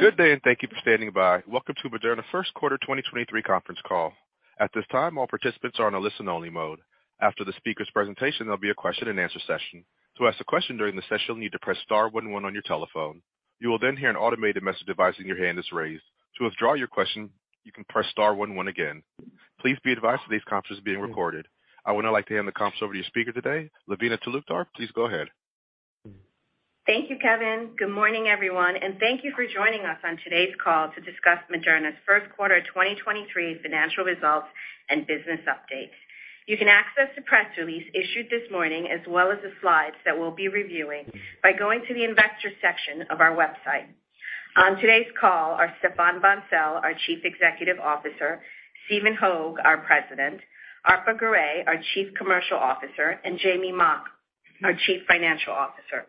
Good day, thank you for standing by. Welcome to Moderna First Quarter 2023 Conference Call. At this time, all participants are on a listen only mode. After the speaker's presentation, there'll be a question and answer session. To ask a question during the session, you'll need to press star one one on your telephone. You will hear an automated message advising your hand is raised. To withdraw your question, you can press star one one again. Please be advised that this conference is being recorded. I would now like to hand the conference over to your speaker today, Lavina Talukdar. Please go ahead. Thank you, Kevin. Good morning, everyone, and thank you for joining us on today's call to discuss Moderna's first quarter 2023 financial results and business update. You can access the press release issued this morning, as well as the slides that we'll be reviewing by going to the investor section of our website. On today's call are Stéphane Bancel, our Chief Executive Officer, Stephen Hoge, our President, Arpa Garay, our Chief Commercial Officer, and Jamey Mock, our Chief Financial Officer.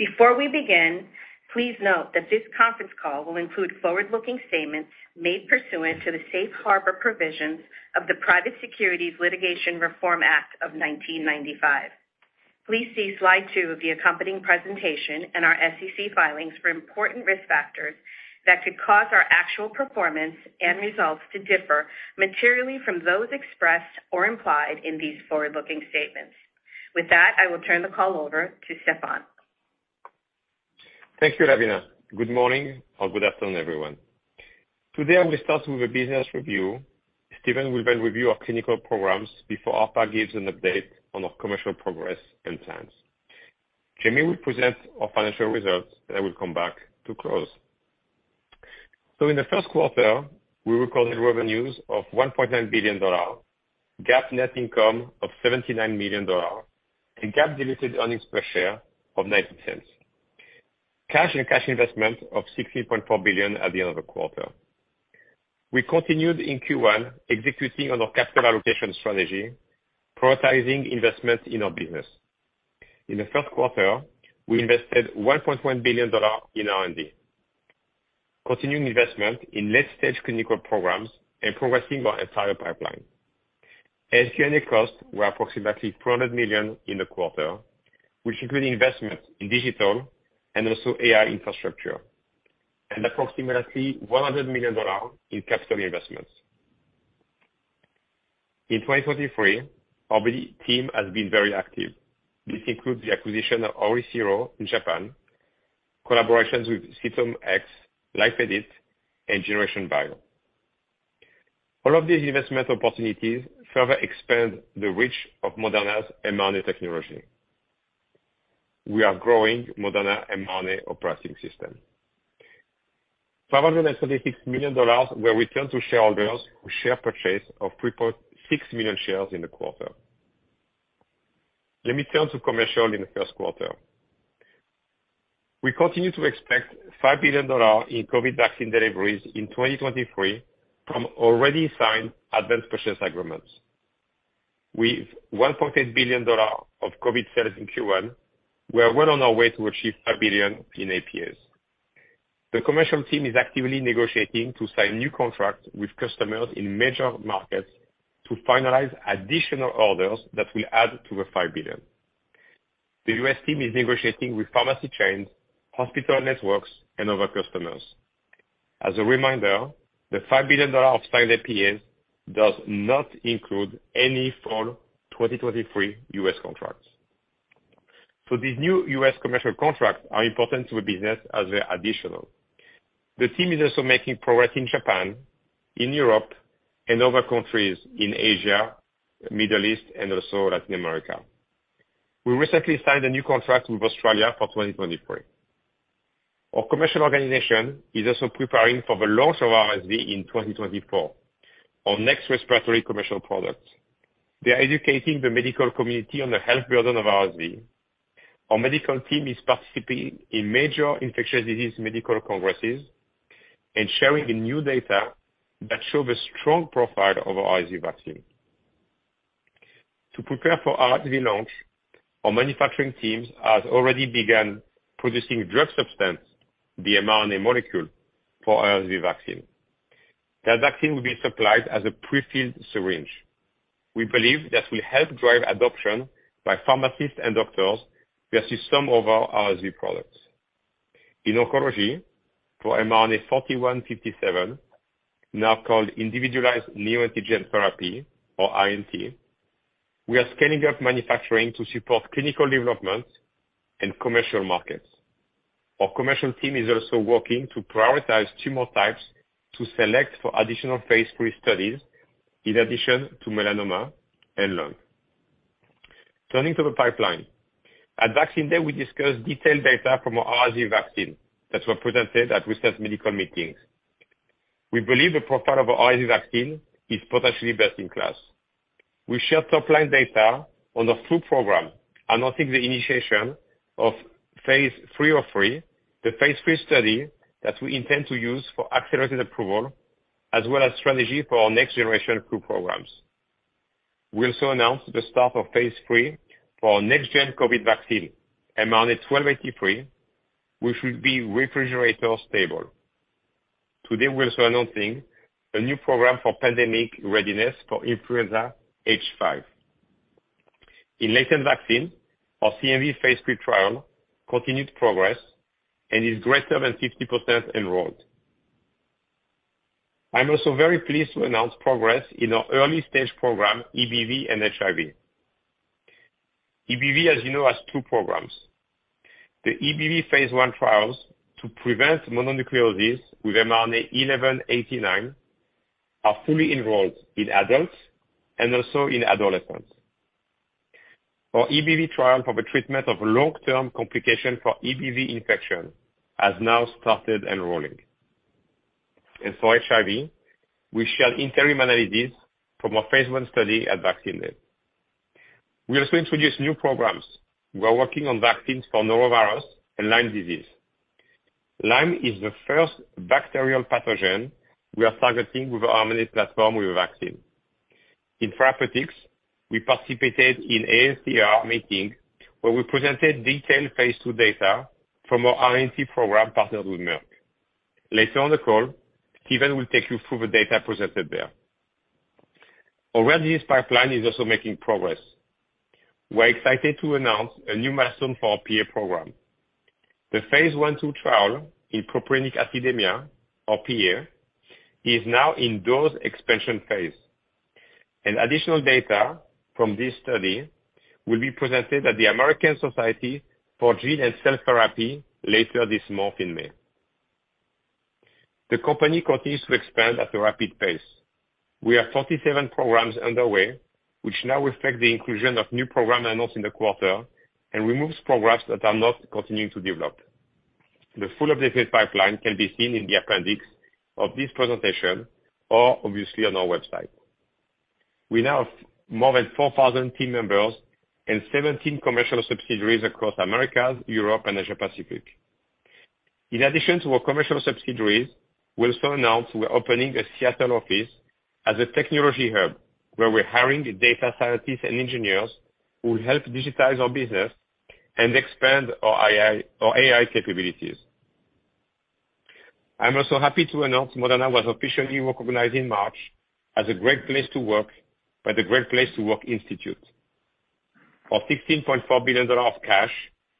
Before we begin, please note that this conference call will include forward-looking statements made pursuant to the safe harbor provisions of the Private Securities Litigation Reform Act of 1995. Please see slide two of the accompanying presentation in our SEC filings for important risk factors that could cause our actual performance and results to differ materially from those expressed or implied in these forward-looking statements. With that, I will turn the call over to Stéphane. Thank you, Lavina. Good morning or good afternoon, everyone. Today I'm going to start with a business review. Stephen will then review our clinical programs before Arpa gives an update on our commercial progress and plans. Jamey will present our financial results, then I will come back to close. In the first quarter, we recorded revenues of $1.9 billion, GAAP net income of $79 million, and GAAP diluted earnings per share of $0.90. Cash and cash investment of $16.4 billion at the end of the quarter. We continued in Q1 executing on our capital allocation strategy, prioritizing investments in our business. In the first quarter, we invested $1.1 billion in R&D, continuing investment in late-stage clinical programs and progressing our entire pipeline. SG&A costs were approximately $400 million in the quarter, which include investments in digital and also AI infrastructure, and approximately $100 million in capital investments. In 2023, our BD team has been very active. This includes the acquisition of OriCiro in Japan, collaborations with CytomX, Life Edit, and Generation Bio. All of these investment opportunities further expand the reach of Moderna's mRNA technology. We are growing Moderna mRNA operating system. $576 million were returned to shareholders through share purchase of 3.6 million shares in the quarter. Let me turn to commercial in the first quarter. We continue to expect $5 billion in COVID vaccine deliveries in 2023 from already signed advance purchase agreements. With $1.8 billion of COVID sales in Q1, we are well on our way to achieve $5 billion in APAs. The commercial team is actively negotiating to sign new contracts with customers in major markets to finalize additional orders that will add to the $5 billion. The U.S. team is negotiating with pharmacy chains, hospital networks, and other customers. As a reminder, the $5 billion of signed APAs does not include any full 2023 U.S. contracts. These new U.S. commercial contracts are important to the business as they're additional. The team is also making progress in Japan, in Europe, and other countries in Asia, Middle East, and also Latin America. We recently signed a new contract with Australia for 2023. Our commercial organization is also preparing for the launch of RSV in 2024, our next respiratory commercial product. They are educating the medical community on the health burden of RSV. Our medical team is participating in major infectious disease medical congresses and sharing the new data that show the strong profile of our RSV vaccine. To prepare for RSV launch, our manufacturing teams has already begun producing drug substance, the mRNA molecule, for RSV vaccine. That vaccine will be supplied as a prefilled syringe. We believe that will help drive adoption by pharmacists and doctors versus some of our RSV products. In oncology for mRNA-4157, now called Individualized Neoantigen Therapy or INT, we are scaling up manufacturing to support clinical development and commercial markets. Our commercial team is also working to prioritize tumor types to select for additional phase III studies in addition to melanoma and lung. Turning to the pipeline. At Vaccines Day, we discussed detailed data from our RSV vaccine that were presented at recent medical meetings. We believe the profile of our RSV vaccine is potentially best in class. We shared top line data on the flu program, announcing the initiation of phase III of 3, the phase III study that we intend to use for accelerated approval as well as strategy for our next generation flu programs. We also announced the start of phase III for our next gen COVID vaccine, mRNA-1283, which will be refrigerator stable. Today, we're also announcing a new program for pandemic readiness for influenza H5. In latent vaccine, our CMV phase III trial continued progress and is greater than 60% enrolled. I'm also very pleased to announce progress in our early-stage program, EBV and HIV. EBV, as you know, has two programs. The EBV phase I trials to prevent mononucleosis with mRNA-1189 are fully enrolled in adults and also in adolescents. Our EBV trial for the treatment of long-term complication for EBV infection has now started enrolling. For HIV, we shared interim analysis from our phase I study at Vaccine Live. We also introduced new programs. We are working on vaccines for norovirus and Lyme disease. Lyme is the first bacterial pathogen we are targeting with our mRNA platform with a vaccine. In therapeutics, we participated in AACR meeting, where we presented detailed phase II data from our INT program partnered with Merck. Later on the call, Stephen will take you through the data presented there. Our rare disease pipeline is also making progress. We're excited to announce a new milestone for our PA program. The phase I/II trial in propionic acidemia, or PA, is now in dose expansion phase. Additional data from this study will be presented at the American Society of Gene & Cell Therapy later this month in May. The company continues to expand at a rapid pace. We have 47 programs underway, which now reflect the inclusion of new program announced in the quarter and removes programs that are not continuing to develop. The full updated pipeline can be seen in the appendix of this presentation or obviously on our website. We now have more than 4,000 team members and 17 commercial subsidiaries across Americas, Europe, and Asia Pacific. In addition to our commercial subsidiaries, we also announced we're opening a Seattle office as a technology hub, where we're hiring data scientists and engineers who will help digitize our business and expand our AI capabilities. I'm also happy to announce Moderna was officially recognized in March as a great place to work by the Great Place to Work Institute. Our $16.4 billion of cash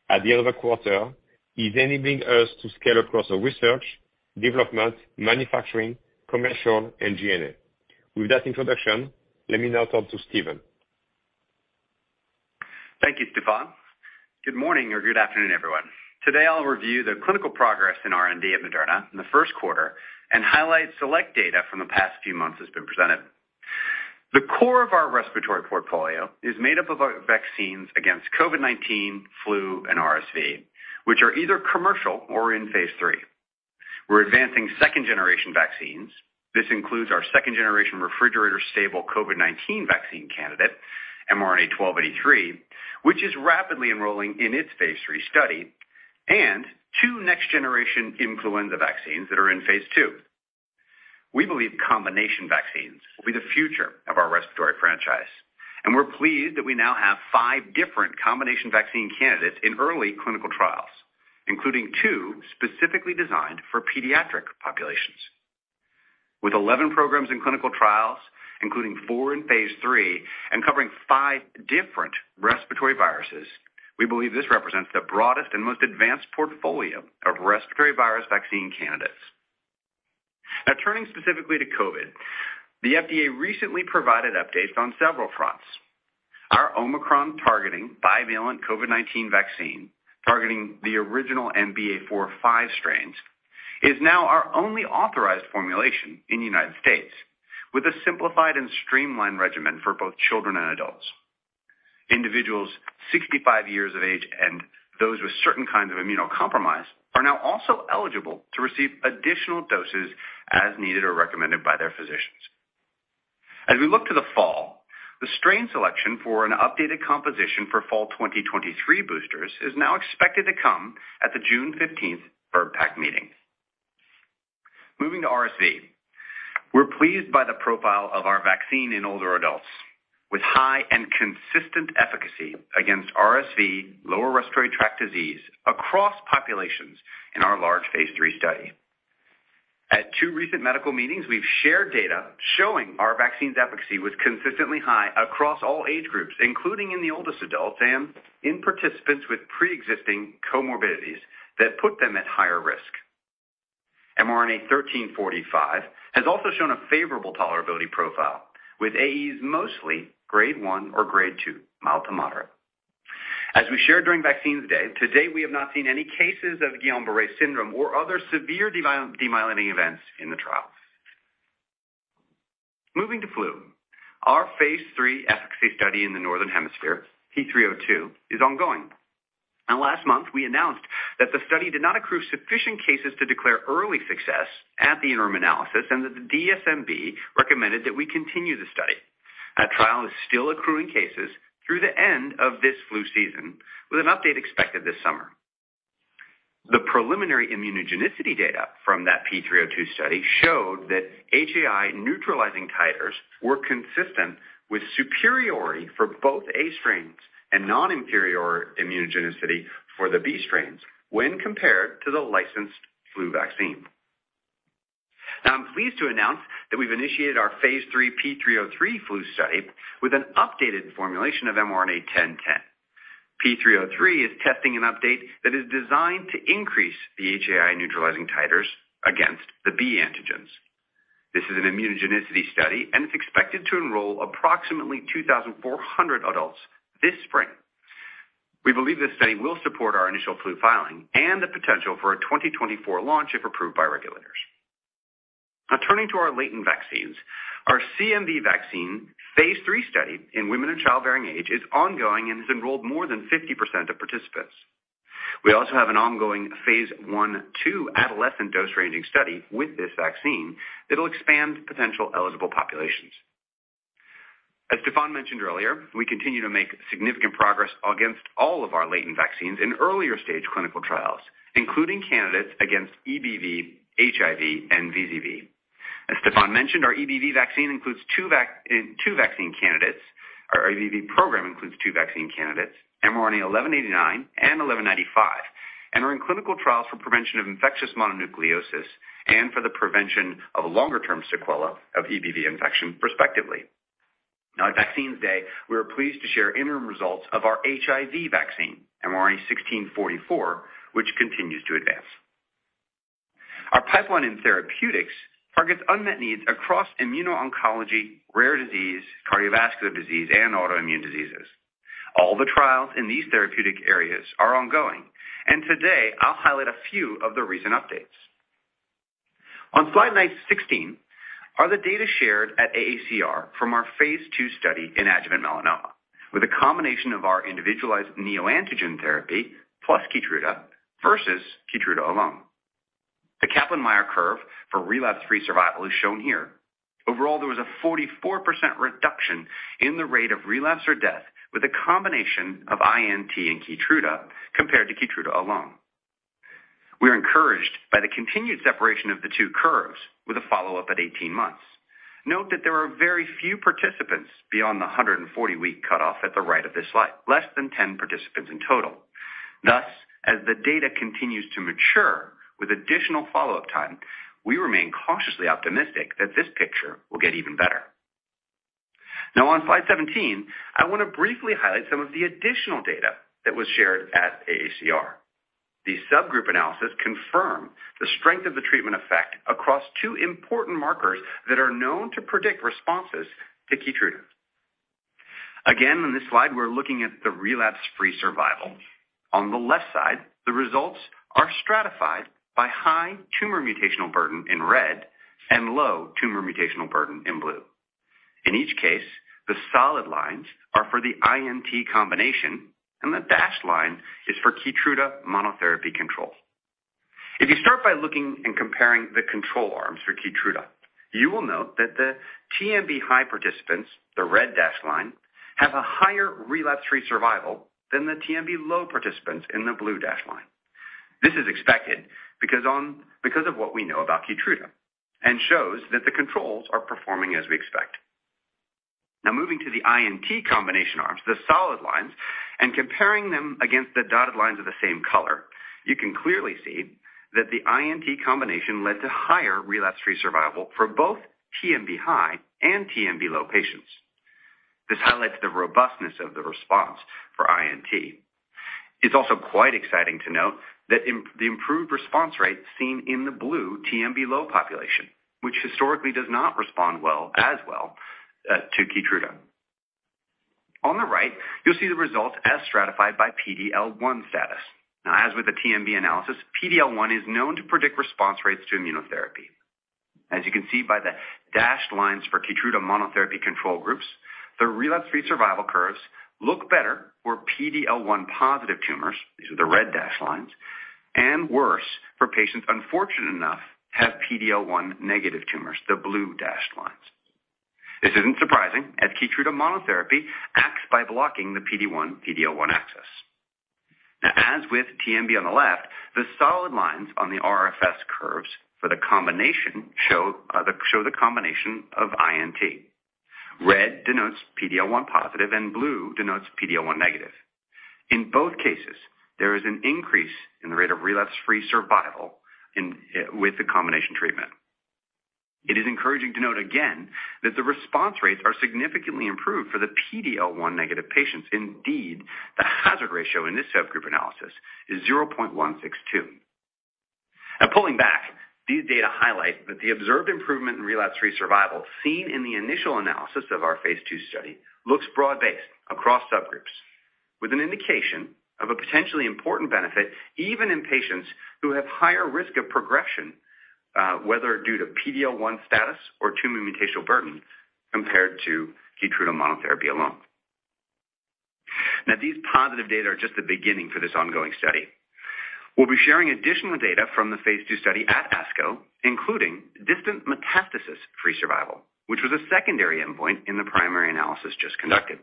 at the end of the quarter is enabling us to scale across our research, development, manufacturing, commercial, and G&A. With that introduction, let me now talk to Stephen. Thank you, Stéphane. Good morning or good afternoon, everyone. Today, I'll review the clinical progress in R&D at Moderna in the first quarter and highlight select data from the past few months that's been presented. The core of our respiratory portfolio is made up of our vaccines against COVID-19, flu, and RSV, which are either commercial or in phase III. We're advancing second-generation vaccines. This includes our second-generation refrigerator-stable COVID-19 vaccine candidate, mRNA-1283, which is rapidly enrolling in its phase III study, and two next-generation influenza vaccines that are in phase II. We believe combination vaccines will be the future of our respiratory franchise, and we're pleased that we now have five different combination vaccine candidates in early clinical trials, including two specifically designed for pediatric populations. With 11 programs in clinical trials, including four in phase III and covering five different respiratory viruses, we believe this represents the broadest and most advanced portfolio of respiratory virus vaccine candidates. Now, turning specifically to COVID. The FDA recently provided updates on several fronts. Our Omicron-targeting bivalent COVID-19 vaccine, targeting the original BA.4/5 strains, is now our only authorized formulation in the United States, with a simplified and streamlined regimen for both children and adults. Individuals 65 years of age and those with certain kinds of immunocompromise are now also eligible to receive additional doses as needed or recommended by their physicians. As we look to the fall, the strain selection for an updated composition for fall 2023 boosters is now expected to come at the June 15th VRBPAC meeting. Moving to RSV. We're pleased by the profile of our vaccine in older adults, with high and consistent efficacy against RSV lower respiratory tract disease across populations in our large phase III study. At two recent medical meetings, we've shared data showing our vaccine's efficacy was consistently high across all age groups, including in the oldest adults and in participants with pre-existing comorbidities that put them at higher risk. mRNA-1345 has also shown a favorable tolerability profile, with AEs mostly grade 1 or grade 2, mild to moderate. As we shared during Vaccines Day, to date, we have not seen any cases of Guillain-Barré syndrome or other severe demyelinating events in the trials. Moving to flu. Our phase III efficacy study in the Northern Hemisphere, P302, is ongoing. Last month, we announced that the study did not accrue sufficient cases to declare early success at the interim analysis, and that the DSMB recommended that we continue the study. That trial is still accruing cases through the end of this flu season, with an update expected this summer. The preliminary immunogenicity data from that P302 study showed that HAI-neutralizing titers were consistent with superiority for both A strains and non-inferior immunogenicity for the B strains when compared to the licensed flu vaccine. Pleased to announce that we've initiated our phase III P303 flu study with an updated formulation of mRNA-1010. P303 is testing an update that is designed to increase the HAI neutralizing titers against the B antigens. This is an immunogenicity study, and it's expected to enroll approximately 2,400 adults this spring. We believe this study will support our initial flu filing and the potential for a 2024 launch if approved by regulators. Turning to our latent vaccines. Our CMV vaccine phase III study in women of childbearing age is ongoing and has enrolled more than 50% of participants. We also have an ongoing phase I/II adolescent dose ranging study with this vaccine that'll expand potential eligible populations. As Stéphane mentioned earlier, we continue to make significant progress against all of our latent vaccines in earlier stage clinical trials, including candidates against EBV, HIV, and VZV. As Stéphane mentioned, our EBV vaccine includes two vaccine candidates. Our EBV program includes two vaccine candidates, mRNA-1189 and mRNA-1195, and are in clinical trials for prevention of infectious mononucleosis and for the prevention of a longer-term sequela of EBV infection prospectively. At Vaccines Day, we are pleased to share interim results of our HIV vaccine, mRNA-1644, which continues to advance. Our pipeline in therapeutics targets unmet needs across immuno-oncology, rare disease, cardiovascular disease, and autoimmune diseases. All the trials in these therapeutic areas are ongoing. Today I'll highlight a few of the recent updates. On slide 16 are the data shared at AACR from our phase II study in adjuvant melanoma with a combination of our Individualized Neoantigen Therapy plus Keytruda versus Keytruda alone. The Kaplan-Meier curve for relapse-free survival is shown here. Overall, there was a 44% reduction in the rate of relapse or death with a combination of INT and Keytruda compared to Keytruda alone. We are encouraged by the continued separation of the two curves with a follow-up at 18 months. Note that there are very few participants beyond the 140-week cutoff at the right of this slide, less than 10 participants in total. As the data continues to mature with additional follow-up time, we remain cautiously optimistic that this picture will get even better. On slide 17, I want to briefly highlight some of the additional data that was shared at AACR. The subgroup analysis confirm the strength of the treatment effect across two important markers that are known to predict responses to Keytruda. In this slide, we're looking at the relapse-free survival. On the left side, the results are stratified by high tumor mutational burden in red and low tumor mutational burden in blue. In each case, the solid lines are for the INT combination, and the dashed line is for Keytruda monotherapy control. If you start by looking and comparing the control arms for Keytruda, you will note that the TMB-high participants, the red dashed line, have a higher relapse-free survival than the TMB-low participants in the blue dashed line. This is expected because of what we know about Keytruda and shows that the controls are performing as we expect. Now moving to the INT combination arms, the solid lines, and comparing them against the dotted lines of the same color, you can clearly see that the INT combination led to higher relapse-free survival for both TMB-high and TMB-low patients. This highlights the robustness of the response for INT. It's also quite exciting to note that the improved response rate seen in the blue TMB-low population, which historically does not respond well, as well, to Keytruda. On the right, you'll see the results as stratified by PD-L1 status. As with the TMB analysis, PD-L1 is known to predict response rates to immunotherapy. As you can see by the dashed lines for Keytruda monotherapy control groups, the relapse-free survival curves look better for PD-L1 positive tumors, these are the red dashed lines, and worse for patients unfortunate enough to have PD-L1 negative tumors, the blue dashed lines. This isn't surprising, as Keytruda monotherapy acts by blocking the PD-1/PD-L1 axis. As with TMB on the left, the solid lines on the RFS curves for the combination show the combination of INT. Red denotes PD-L1 positive and blue denotes PD-L1 negative. In both cases, there is an increase in the rate of relapse-free survival with the combination treatment. It is encouraging to note again that the response rates are significantly improved for the PD-L1 negative patients. Indeed, the hazard ratio in this subgroup analysis is 0.162. Pulling back, these data highlight that the observed improvement in relapse-free survival seen in the initial analysis of our phase II study looks broad-based across subgroups with an indication of a potentially important benefit even in patients who have higher risk of progression, whether due to PD-L1 status or tumor mutational burden compared to Keytruda monotherapy alone. These positive data are just the beginning for this ongoing study. We'll be sharing additional data from the phase II study at ASCO, including distant metastasis-free survival, which was a secondary endpoint in the primary analysis just conducted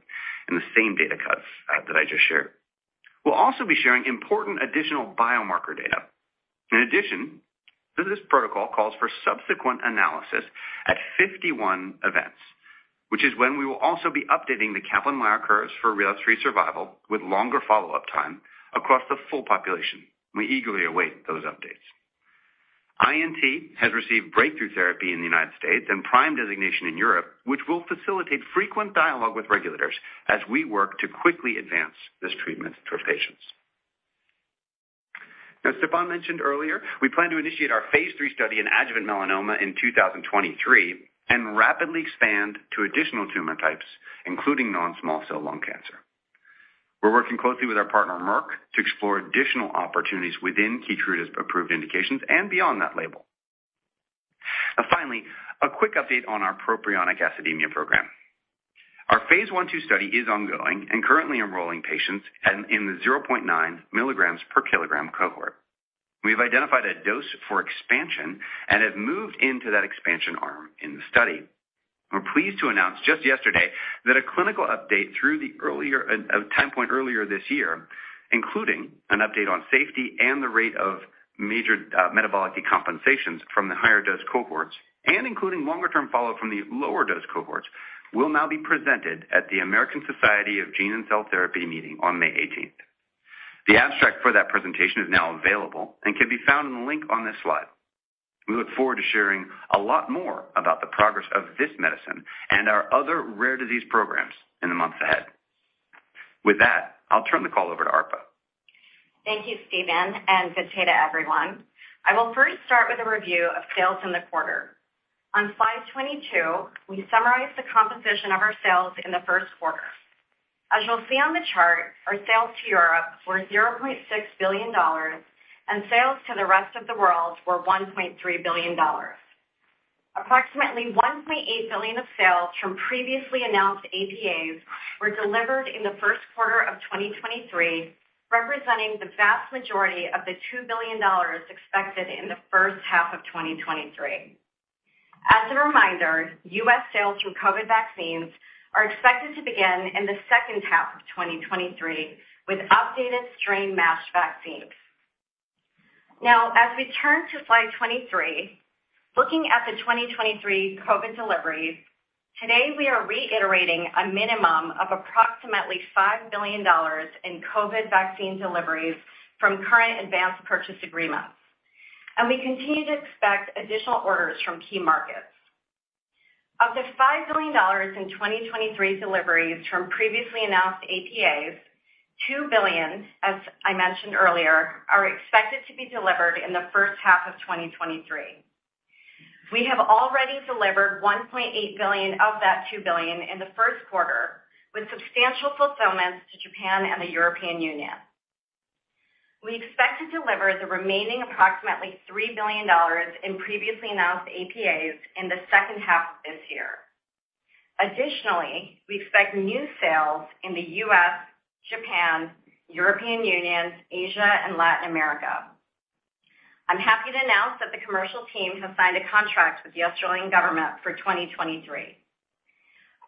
in the same data cuts that I just shared. We'll also be sharing important additional biomarker data. In addition, this protocol calls for subsequent analysis at 51 events. We will also be updating the Kaplan-Meier curves for relapse-free survival with longer follow-up time across the full population. We eagerly await those updates. INT has received breakthrough therapy in the United States and prime designation in Europe, which will facilitate frequent dialogue with regulators as we work to quickly advance this treatment for patients. As Stéphane mentioned earlier, we plan to initiate our phase III study in adjuvant melanoma in 2023 and rapidly expand to additional tumor types, including non-small cell lung cancer. We're working closely with our partner, Merck, to explore additional opportunities within Keytruda's approved indications and beyond that label. Finally, a quick update on our propionic acidemia program. Our phase I/II study is ongoing and currently enrolling patients in the 0.9 milligrams per kilogram cohort. We've identified a dose for expansion and have moved into that expansion arm in the study. We're pleased to announce just yesterday that a clinical update through the earlier time point earlier this year, including an update on safety and the rate of major metabolic decompensations from the higher dose cohorts, and including longer-term follow from the lower dose cohorts, will now be presented at the American Society of Gene & Cell Therapy meeting on May 18th. The abstract for that presentation is now available and can be found in the link on this slide. We look forward to sharing a lot more about the progress of this medicine and our other rare disease programs in the months ahead. With that, I'll turn the call over to Arpa. Thank you, Stephen, and good day to everyone. I will first start with a review of sales in the quarter. On slide 22, we summarize the composition of our sales in the first quarter. As you'll see on the chart, our sales to Europe were $0.6 billion and sales to the rest of the world were $1.3 billion. Approximately $1.8 billion of sales from previously announced APAs were delivered in the first quarter of 2023, representing the vast majority of the $2 billion expected in the first half of 2023. As a reminder, U.S. sales through COVID vaccines are expected to begin in the second half of 2023 with updated strain matched vaccines. As we turn to slide 23, looking at the 2023 COVID deliveries, today we are reiterating a minimum of approximately $5 billion in COVID vaccine deliveries from current advance purchase agreements. We continue to expect additional orders from key markets. Of the $5 billion in 2023 deliveries from previously announced APAs, $2 billion, as I mentioned earlier, are expected to be delivered in the first half of 2023. We have already delivered $1.8 billion of that $2 billion in the first quarter, with substantial fulfillments to Japan and the European Union. We expect to deliver the remaining approximately $3 billion in previously announced APAs in the second half of this year. Additionally, we expect new sales in the U.S., Japan, European Union, Asia, and Latin America. I'm happy to announce that the commercial team has signed a contract with the Australian government for 2023.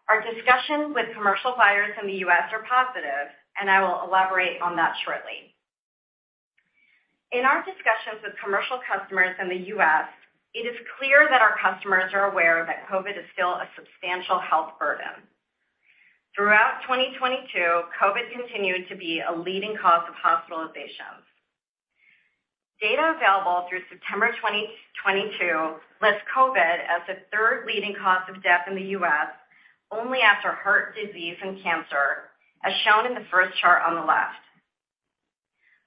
Our discussions with commercial buyers in the U.S. are positive, and I will elaborate on that shortly. In our discussions with commercial customers in the U.S., it is clear that our customers are aware that COVID is still a substantial health burden. Throughout 2022, COVID continued to be a leading cause of hospitalizations. Data available through September 2022 lists COVID as the third leading cause of death in the U.S. only after heart disease and cancer, as shown in the first chart on the left.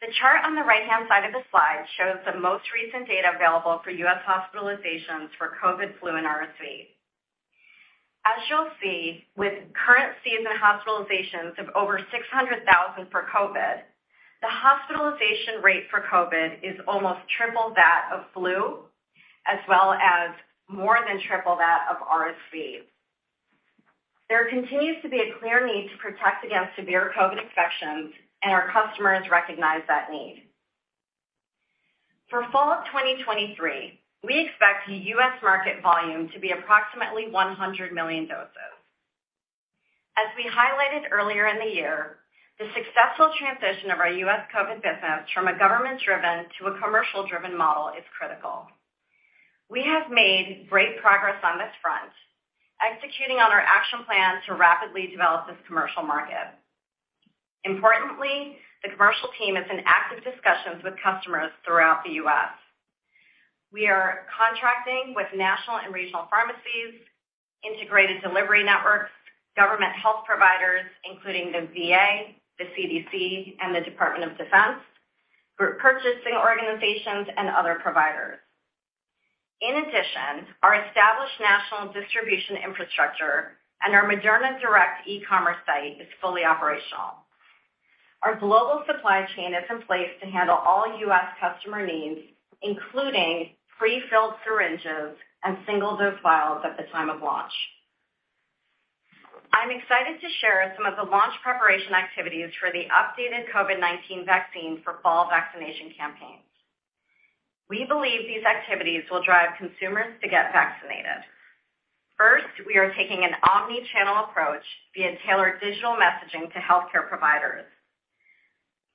The chart on the right-hand side of the slide shows the most recent data available for U.S. hospitalizations for COVID, flu, and RSV. As you'll see, with current season hospitalizations of over 600,000 for COVID, the hospitalization rate for COVID is almost triple that of flu as well as more than triple that of RSV. There continues to be a clear need to protect against severe COVID infections, and our customers recognize that need. For fall of 2023, we expect the U.S. market volume to be approximately 100 million doses. As we highlighted earlier in the year, the successful transition of our U.S. COVID business from a government-driven to a commercial-driven model is critical. We have made great progress on this front, executing on our action plan to rapidly develop this commercial market. Importantly, the commercial team is in active discussions with customers throughout the U.S. We are contracting with national and regional pharmacies, integrated delivery networks, government health providers, including the VA, the CDC, and the Department of Defense, group purchasing organizations, and other providers. Our established national distribution infrastructure and our Moderna Direct e-commerce site is fully operational. Our global supply chain is in place to handle all U.S. customer needs, including prefilled syringes and single-dose vials at the time of launch. I'm excited to share some of the launch preparation activities for the updated COVID-19 vaccine for fall vaccination campaigns. We believe these activities will drive consumers to get vaccinated. We are taking an omni-channel approach via tailored digital messaging to healthcare providers.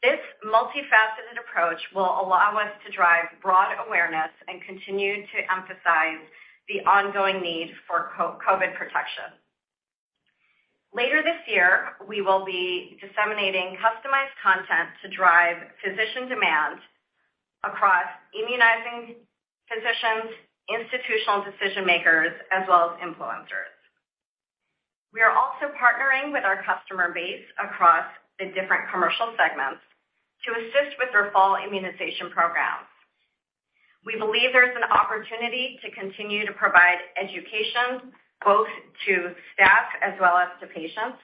This multifaceted approach will allow us to drive broad awareness and continue to emphasize the ongoing need for COVID protection. Later this year, we will be disseminating customized content to drive physician demand across immunizing physicians, institutional decision-makers, as well as influencers. We are also partnering with our customer base across the different commercial segments to assist with their fall immunization programs. We believe there's an opportunity to continue to provide education, both to staff as well as to patients.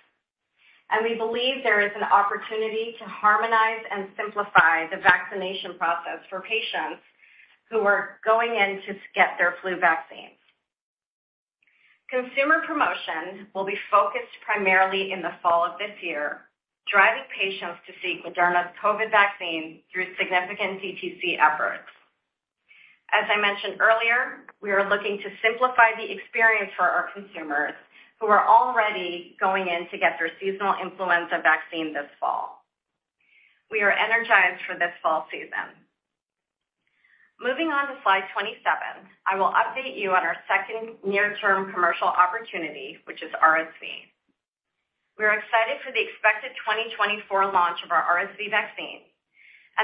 We believe there is an opportunity to harmonize and simplify the vaccination process for patients who are going in to get their flu vaccines. Consumer promotion will be focused primarily in the fall of this year, driving patients to seek Moderna's COVID vaccine through significant DTC efforts. As I mentioned earlier, we are looking to simplify the experience for our consumers who are already going in to get their seasonal influenza vaccine this fall. We are energized for this fall season. Moving on to slide 27, I will update you on our second near-term commercial opportunity, which is RSV.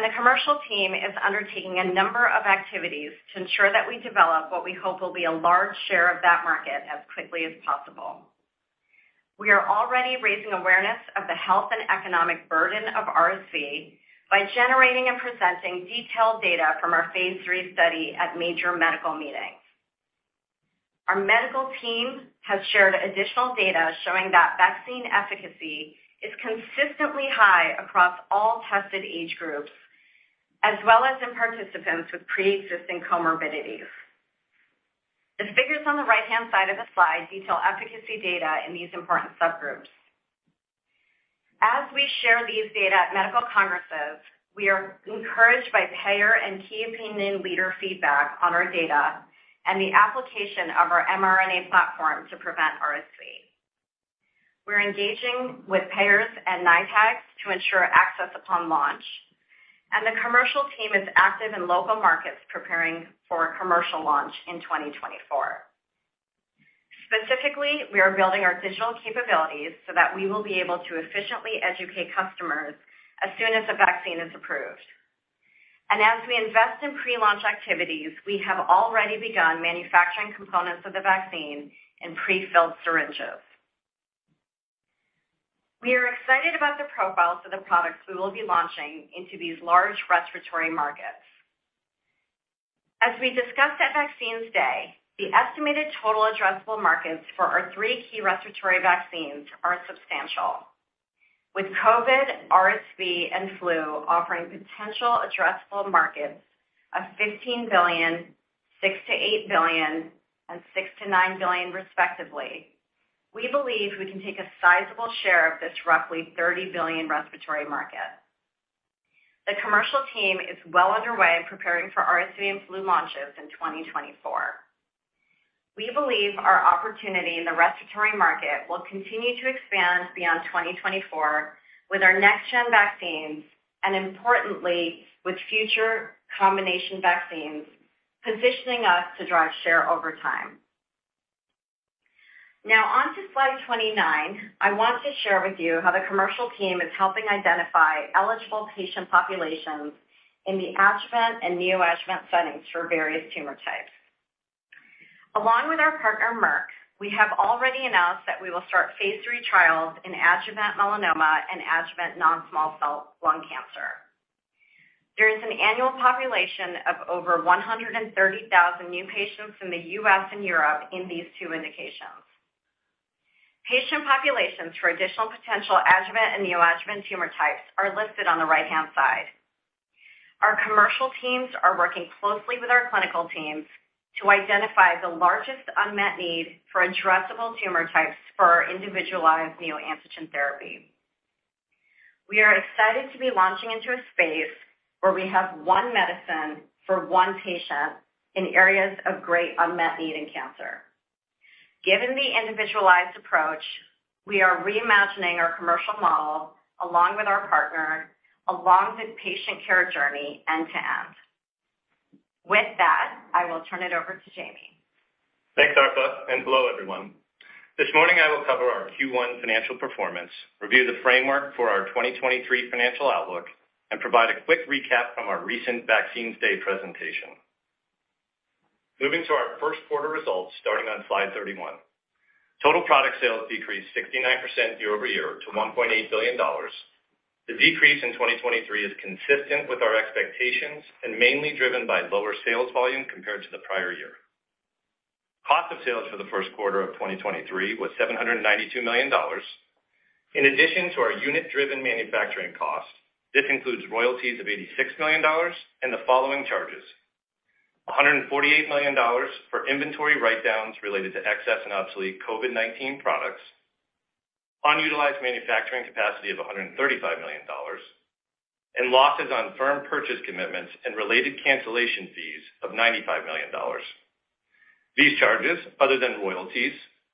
The commercial team is undertaking a number of activities to ensure that we develop what we hope will be a large share of that market as quickly as possible. We are already raising awareness of the health and economic burden of RSV by generating and presenting detailed data from our phase III study at major medical meetings. Our medical team has shared additional data showing that vaccine efficacy is consistently high across all tested age groups, as well as in participants with pre-existing comorbidities. The figures on the right-hand side of the slide detail efficacy data in these important subgroups. As we share these data at medical congresses, we are encouraged by payer and key opinion leader feedback on our data and the application of our mRNA platform to prevent RSV. We're engaging with payers and NITAGs to ensure access upon launch, and the commercial team is active in local markets preparing for a commercial launch in 2024. Specifically, we are building our digital capabilities so that we will be able to efficiently educate customers as soon as a vaccine is approved. As we invest in pre-launch activities, we have already begun manufacturing components of the vaccine in prefilled syringes. We are excited about the profiles of the products we will be launching into these large respiratory markets. As we discussed at Vaccines Day, the estimated total addressable markets for our three key respiratory vaccines are substantial. With COVID, RSV, and flu offering potential addressable markets of $15 billion, $6 billion-$8 billion, and $6 billion-$9 billion respectively, we believe we can take a sizable share of this roughly $30 billion respiratory market. The commercial team is well underway preparing for RSV and flu launches in 2024. We believe our opportunity in the respiratory market will continue to expand beyond 2024 with our next-gen vaccines, and importantly, with future combination vaccines, positioning us to drive share over time. Now on to slide 29. I want to share with you how the commercial team is helping identify eligible patient populations in the adjuvant and neoadjuvant settings for various tumor types. Along with our partner, Merck, we have already announced that we will start phase III trials in adjuvant melanoma and adjuvant non-small cell lung cancer. There is an annual population of over 130,000 new patients in the U.S. and Europe in these two indications. Patient populations for additional potential adjuvant and neoadjuvant tumor types are listed on the right-hand side. Our commercial teams are working closely with our clinical teams to identify the largest unmet need for addressable tumor types for our Individualized Neoantigen Therapy. We are excited to be launching into a space where we have one medicine for one patient in areas of great unmet need in cancer. Given the individualized approach, we are reimagining our commercial model, along with our partner, along the patient care journey end to end. With that, I will turn it over to Jamey. Thanks, Arpa, and hello, everyone. This morning I will cover our Q1 financial performance, review the framework for our 2023 financial outlook, and provide a quick recap from our recent Vaccines Day presentation. Moving to our first quarter results starting on slide 31. Total product sales decreased 69% year-over-year to $1.8 billion. The decrease in 2023 is consistent with our expectations and mainly driven by lower sales volume compared to the prior year. Cost of sales for the first quarter of 2023 was $792 million. In addition to our unit-driven manufacturing costs, this includes royalties of $86 million and the following charges: $148 million for inventory write-downs related to excess and obsolete COVID-19 products, unutilized manufacturing capacity of $135 million, and losses on firm purchase commitments and related cancellation fees of $95 million. These charges, other than royalties,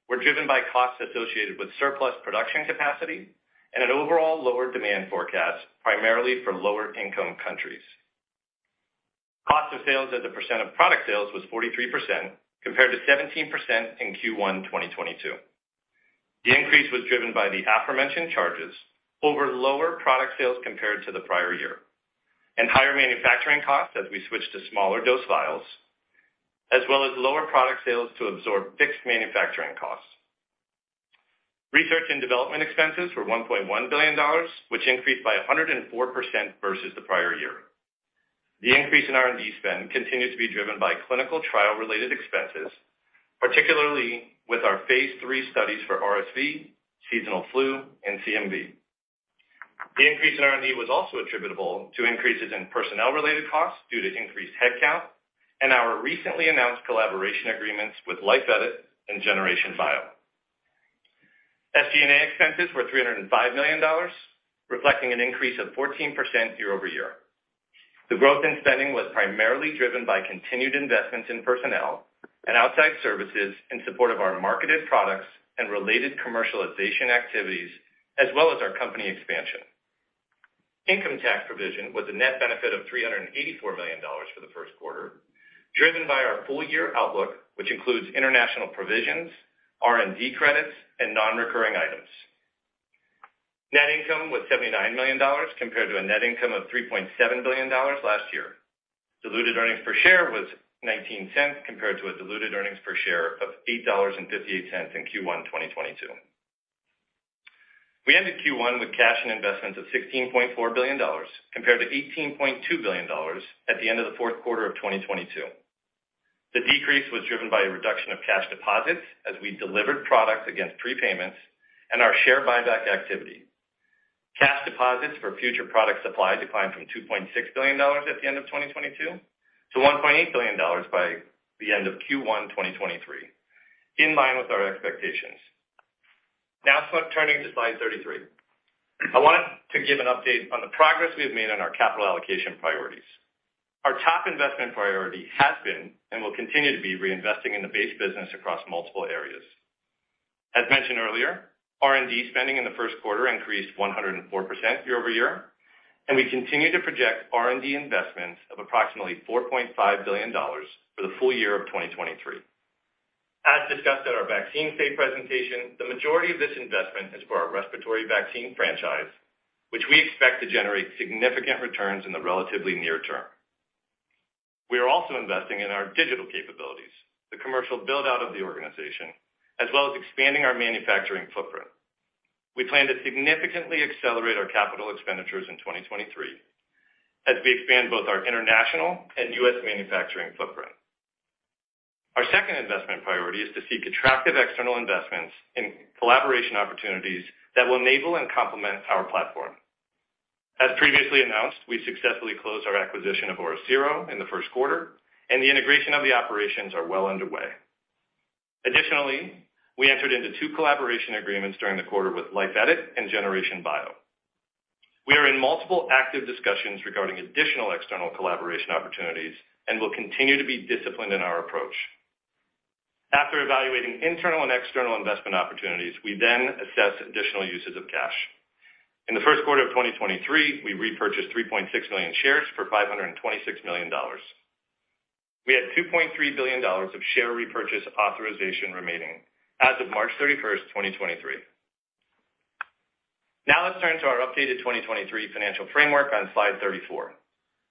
were driven by costs associated with surplus production capacity and an overall lower demand forecast, primarily for lower income countries. Cost of sales as a percent of product sales was 43%, compared to 17% in Q1 2022. The increase was driven by the aforementioned charges over lower product sales compared to the prior year, and higher manufacturing costs as we switched to smaller dose vials, as well as lower product sales to absorb fixed manufacturing costs. Research and development expenses were $1.1 billion, which increased by 104% versus the prior year. The increase in R&D spend continued to be driven by clinical trial-related expenses, particularly with our phase III studies for RSV, seasonal flu, and CMV. The increase in R&D was also attributable to increases in personnel-related costs due to increased headcount and our recently announced collaboration agreements with Life Edit and Generation Bio. SG&A expenses were $305 million, reflecting an increase of 14% year-over-year. The growth in spending was primarily driven by continued investments in personnel and outside services in support of our marketed products and related commercialization activities, as well as our company expansion. Income tax provision was a net benefit of $384 million for the first quarter, driven by our full year outlook, which includes international provisions, R&D credits, and non-recurring items. Net income was $79 million compared to a net income of $3.7 billion last year. Diluted earnings per share was $0.19 compared to a diluted earnings per share of $8.58 in Q1 2022. We ended Q1 with cash and investments of $16.4 billion, compared to $18.2 billion at the end of the fourth quarter of 2022. The decrease was driven by a reduction of cash deposits as we delivered products against prepayments and our share buyback activity. Cash deposits for future product supply declined from $2.6 billion at the end of 2022 to $1.8 billion by the end of Q1 2023, in line with our expectations. Now turning to slide 33. I want to give an update on the progress we have made on our capital allocation priorities. Our top investment priority has been, and will continue to be, reinvesting in the base business across multiple areas. As mentioned earlier, R&D spending in the first quarter increased 104% year-over-year, and we continue to project R&D investments of approximately $4.5 billion for the full year of 2023. As discussed at our Vaccines Day presentation, the majority of this investment is for our respiratory vaccine franchise, which we expect to generate significant returns in the relatively near term. We are also investing in our digital capabilities, the commercial build-out of the organization, as well as expanding our manufacturing footprint. We plan to significantly accelerate our capital expenditures in 2023 as we expand both our international and U.S. manufacturing footprint. Our second investment priority is to seek attractive external investments and collaboration opportunities that will enable and complement our platform. As previously announced, we successfully closed our acquisition of OriCiro Genomics in the first quarter, and the integration of the operations are well underway. Additionally, we entered into two collaboration agreements during the quarter with Life Edit and Generation Bio. We are in multiple active discussions regarding additional external collaboration opportunities and will continue to be disciplined in our approach. After evaluating internal and external investment opportunities, we then assess additional uses of cash. In the first quarter of 2023, we repurchased 3.6 million shares for $526 million. We had $2.3 billion of share repurchase authorization remaining as of March 31st, 2023. Now let's turn to our updated 2023 financial framework on slide 34.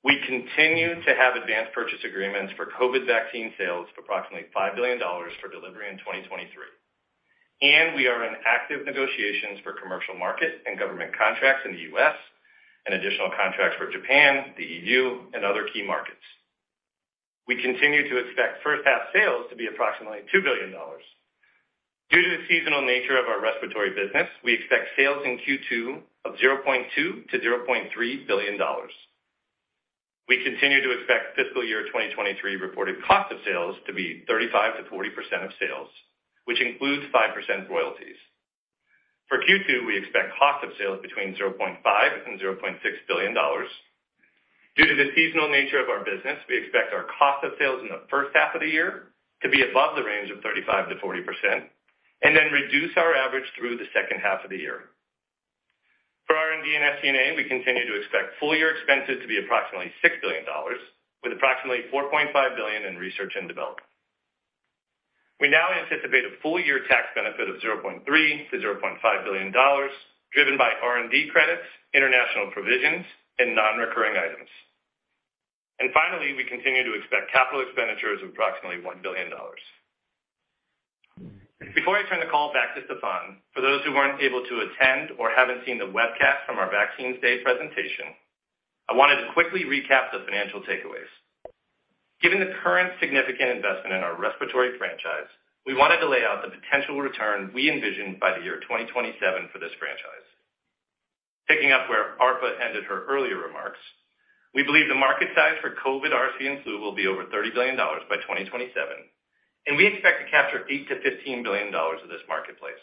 We continue to have advance purchase agreements for COVID vaccine sales of approximately $5 billion for delivery in 2023, and we are in active negotiations for commercial market and government contracts in the U.S. and additional contracts for Japan, the EU, and other key markets. We continue to expect first half sales to be approximately $2 billion. Due to the seasonal nature of our respiratory business, we expect sales in Q2 of $0.2 billion-$0.3 billion. We continue to expect fiscal year 2023 reported cost of sales to be 35%-40% of sales, which includes 5% royalties. For Q2, we expect cost of sales between $0.5 billion and $0.6 billion. Due to the seasonal nature of our business, we expect our cost of sales in the first half of the year to be above the range of 35%-40% and then reduce our average through the second half of the year. For R&D and SG&A, we continue to expect full year expenses to be approximately $6 billion, with approximately $4.5 billion in research and development. We now anticipate a full year tax benefit of $0.3 billion-$0.5 billion, driven by R&D credits, international provisions, and non-recurring items. Finally, we continue to expect capital expenditures of approximately $1 billion. Before I turn the call back to Stéphane, for those who weren't able to attend or haven't seen the webcast from our Vaccines Day presentation, I wanted to quickly recap the financial takeaways. Given the current significant investment in our respiratory franchise, we wanted to lay out the potential return we envisioned by the year 2027 for this franchise. Picking up where Arpa ended her earlier remarks, we believe the market size for COVID, RSV, and flu will be over $30 billion by 2027, and we expect to capture $8 billion-$15 billion of this marketplace.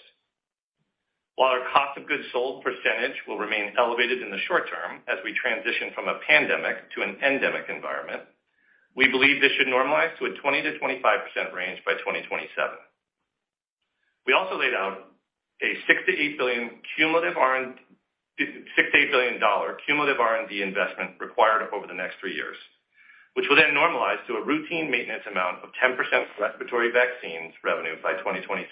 While our cost of goods sold percentage will remain elevated in the short term as we transition from a pandemic to an endemic environment, we believe this should normalize to a 20%-25% range by 2027. We also laid out a $6 billion-$8 billion cumulative R&D investment required over the next three years, which will then normalize to a routine maintenance amount of 10% respiratory vaccines revenue by 2027.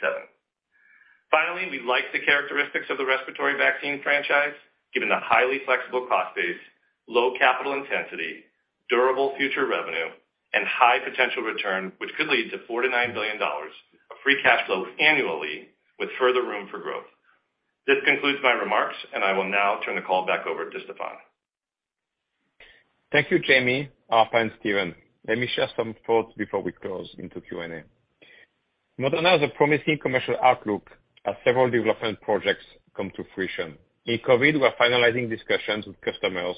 Finally, we like the characteristics of the respiratory vaccine franchise, given the highly flexible cost base, low capital intensity, durable future revenue, and high potential return, which could lead to $4 billion-$9 billion of free cash flow annually with further room for growth. This concludes my remarks, and I will now turn the call back over to Stéphane. Thank you, Jamey, Arpa, and Stephen. Let me share some thoughts before we close into Q&A. Moderna has a promising commercial outlook as several development projects come to fruition. In COVID, we're finalizing discussions with customers.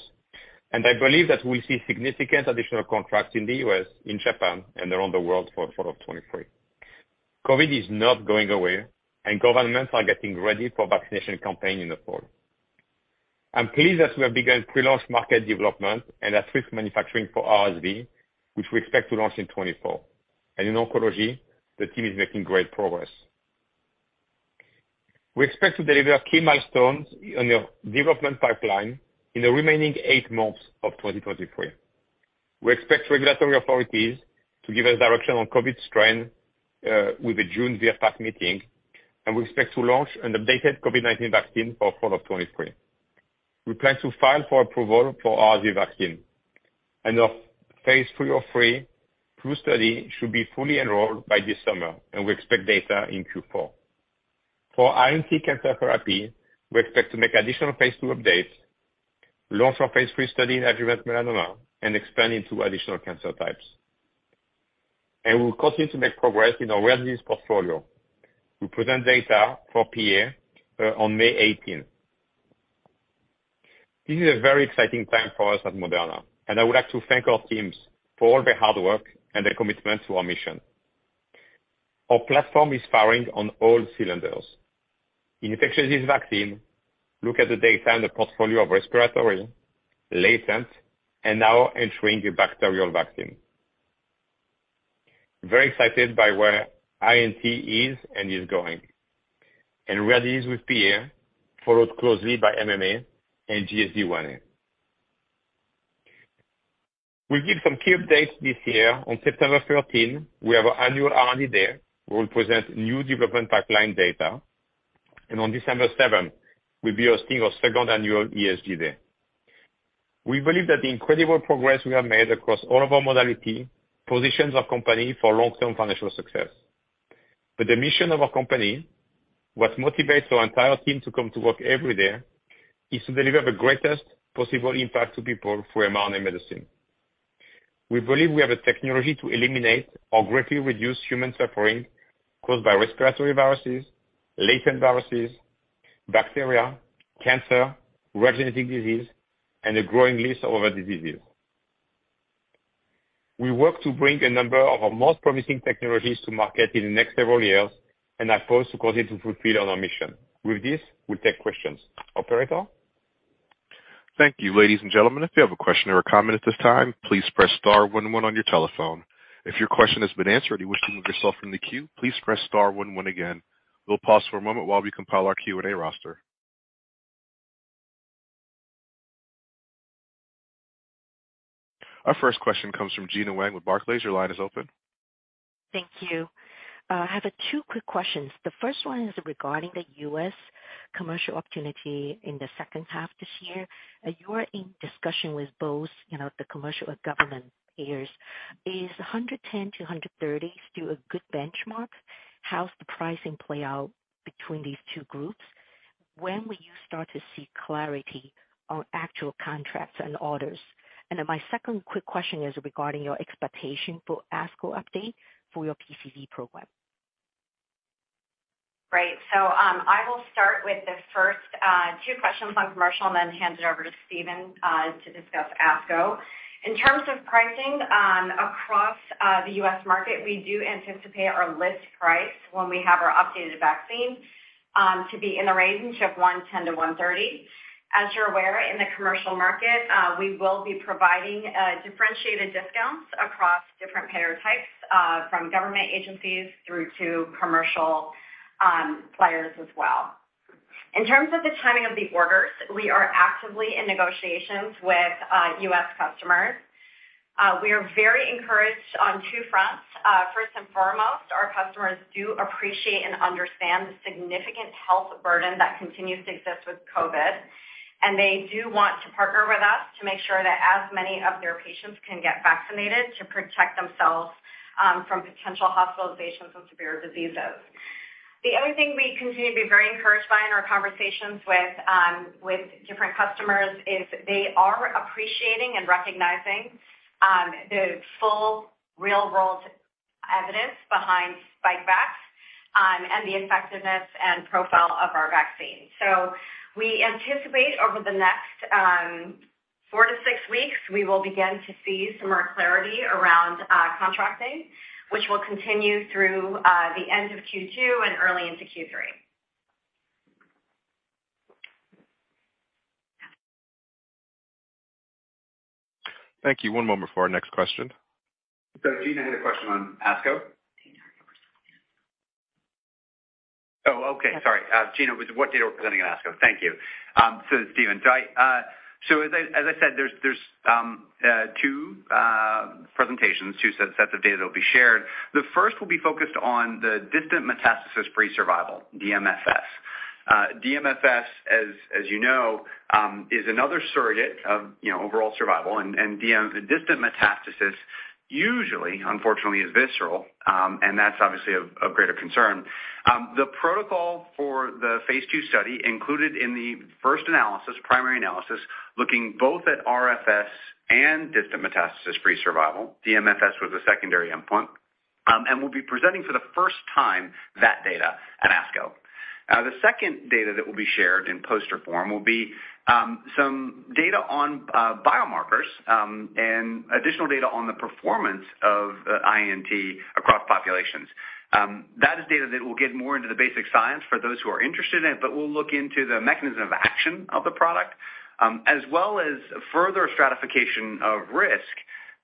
I believe that we'll see significant additional contracts in the U.S., in Japan, and around the world for fall of 2023. COVID is not going away. Governments are getting ready for vaccination campaign in the fall. I'm pleased that we have begun pre-launch market development and at-risk manufacturing for RSV, which we expect to launch in 2024. In oncology, the team is making great progress. We expect to deliver key milestones in the development pipeline in the remaining eight months of 2023. We expect regulatory authorities to give us direction on COVID strain with a June VRBPAC meeting, and we expect to launch an updated COVID-19 vaccine for fall of 2023. We plan to file for approval for RSV vaccine. Our phase III of 3 flu study should be fully enrolled by this summer, and we expect data in Q4. For INT cancer therapy, we expect to make additional phase II updates, launch our phase III study in adjuvant melanoma, and expand into additional cancer types. We'll continue to make progress in our rare disease portfolio. We present data for PA on May 18th. This is a very exciting time for us at Moderna, and I would like to thank our teams for all their hard work and their commitment to our mission. Our platform is firing on all cylinders. In infectious disease vaccine, look at the data in the portfolio of respiratory, latent, and now entering a bacterial vaccine. Very excited by where INT is and is going. Rare disease with PA, followed closely by MMA and GSD1a. We'll give some key updates this year. On September 13th, we have our annual R&D Day, where we'll present new development pipeline data. On December 7th, we'll be hosting our second annual ESG Day. We believe that the incredible progress we have made across all of our modality positions our company for long-term financial success. The mission of our company, what motivates our entire team to come to work every day, is to deliver the greatest possible impact to people through mRNA medicine. We believe we have the technology to eliminate or greatly reduce human suffering caused by respiratory viruses, latent viruses, bacteria, cancer, rare genetic disease, and a growing list of other diseases. We work to bring a number of our most promising technologies to market in the next several years and are poised to continue to fulfill on our mission. With this, we'll take questions. Operator? Thank you. Ladies and gentlemen, if you have a question or a comment at this time, please press star one one on your telephone. If your question has been answered and you wish to remove yourself from the queue, please press star one one again. We'll pause for a moment while we compile our Q&A roster. Our first question comes from Gena Wang with Barclays. Your line is open. Thank you. I have two quick questions. The first one is regarding the U.S. commercial opportunity in the second half this year. You are in discussion with both, you know, the commercial or government payers. Is $110-$130 still a good benchmark? How's the pricing play out between these two groups? When will you start to see clarity on actual contracts and orders? My second quick question is regarding your expectation for ASCO update for your PCV program. Right. I will start with the first two questions on commercial and then hand it over to Stephen to discuss ASCO. In terms of pricing, across the U.S. market, we do anticipate our list price when we have our updated vaccine to be in the range of $110-$130. As you're aware, in the commercial market, we will be providing differentiated discounts across different payer types, from government agencies through to commercial players as well. In terms of the timing of the orders, we are actively in negotiations with U.S. customers. We are very encouraged on two fronts. First and foremost, our customers do appreciate and understand the significant health burden that continues to exist with COVID. They do want to partner with us to make sure that as many of their patients can get vaccinated to protect themselves from potential hospitalizations and severe diseases. The other thing we continue to be very encouraged by in our conversations with different customers is they are appreciating and recognizing the full real-world evidence behind Spikevax and the effectiveness and profile of our vaccine. We anticipate over the next Four to six weeks, we will begin to see some more clarity around contracting, which will continue through the end of Q2 and early into Q3. Thank you. One moment for our next question. Gena had a question on ASCO. Okay. Sorry. Geuna, what data we're presenting on ASCO? Thank you. It's Stephen, as I said, there's two presentations, two sets of data that will be shared. The first will be focused on the distant metastasis-free survival, DMFS. DMFS, as you know, is another surrogate of, you know, overall survival and distant metastasis usually, unfortunately, is visceral. That's obviously of greater concern. The protocol for the phase II study included in the first analysis, primary analysis, looking both at RFS and distant metastasis-free survival. DMFS was a secondary endpoint. We'll be presenting for the first time that data at ASCO. The second data that will be shared in poster form will be some data on biomarkers and additional data on the performance of INT across populations. That is data that will get more into the basic science for those who are interested in it, but we'll look into the mechanism of action of the product, as well as further stratification of risk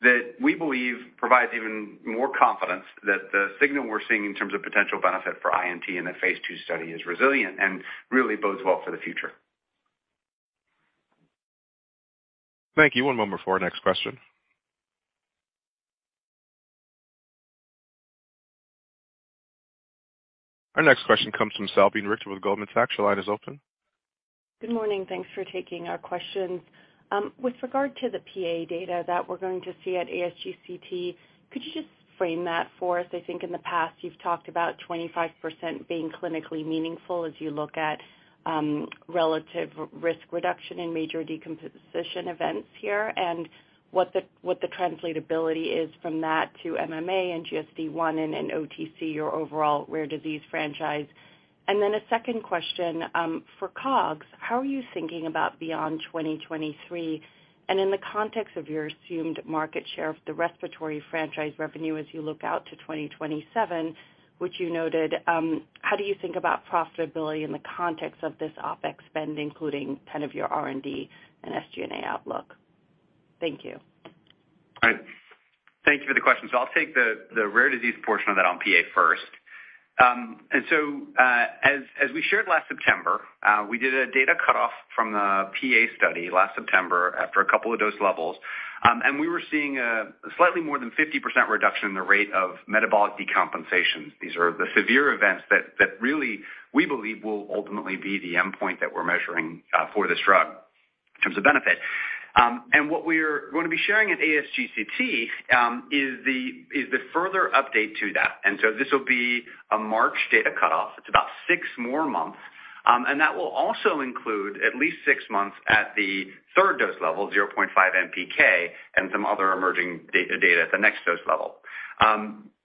that we believe provides even more confidence that the signal we're seeing in terms of potential benefit for INT in that phase II study is resilient and really bodes well for the future. Thank you. One moment for our next question. Our next question comes from Salveen Richter with Goldman Sachs. Your line is open. Good morning. Thanks for taking our questions. With regard to the PA data that we're going to see at ASGCT, could you just frame that for us? I think in the past you've talked about 25% being clinically meaningful as you look at relative risk reduction in major decomposition events here, and what the, what the translatability is from that to MMA and GSD1 and in OTC, your overall rare disease franchise. A second question, for COGS, how are you thinking about beyond 2023? In the context of your assumed market share of the respiratory franchise revenue as you look out to 2027, which you noted, how do you think about profitability in the context of this OpEx spend, including kind of your R&D and SG&A outlook? Thank you. All right. Thank you for the question. I'll take the rare disease portion of that on PA first. As we shared last September, we did a data cutoff from the PA study last September after a couple of dose levels. We were seeing a slightly more than 50% reduction in the rate of metabolic decompensations. These are the severe events that really we believe will ultimately be the endpoint that we're measuring for this drug in terms of benefit. What we're gonna be sharing at ASGCT is the further update to that. This will be a March data cutoff. It's about six more months. That will also include at least six months at the third dose level, 0.5 mg/kg and some other emerging data at the next dose level.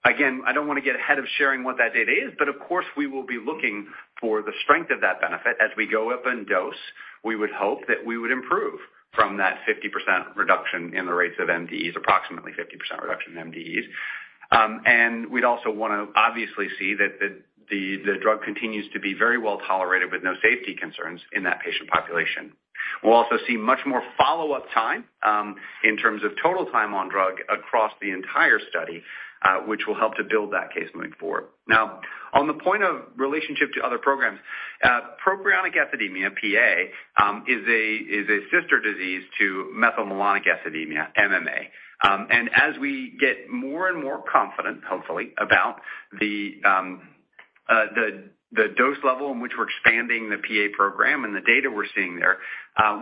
Again, I don't wanna get ahead of sharing what that data is, but of course, we will be looking for the strength of that benefit. As we go up in dose, we would hope that we would improve from that 50% reduction in the rates of MDEs, approximately 50% reduction in MDEs. We'd also want to obviously see that the drug continues to be very well tolerated with no safety concerns in that patient population. We'll also see much more follow-up time, in terms of total time on drug across the entire study, which will help to build that case moving forward. On the point of relationship to other programs, propionic acidemia, PA, is a sister disease to methylmalonic acidemia, MMA. As we get more and more confident, hopefully, about the dose level in which we're expanding the PA program and the data we're seeing there,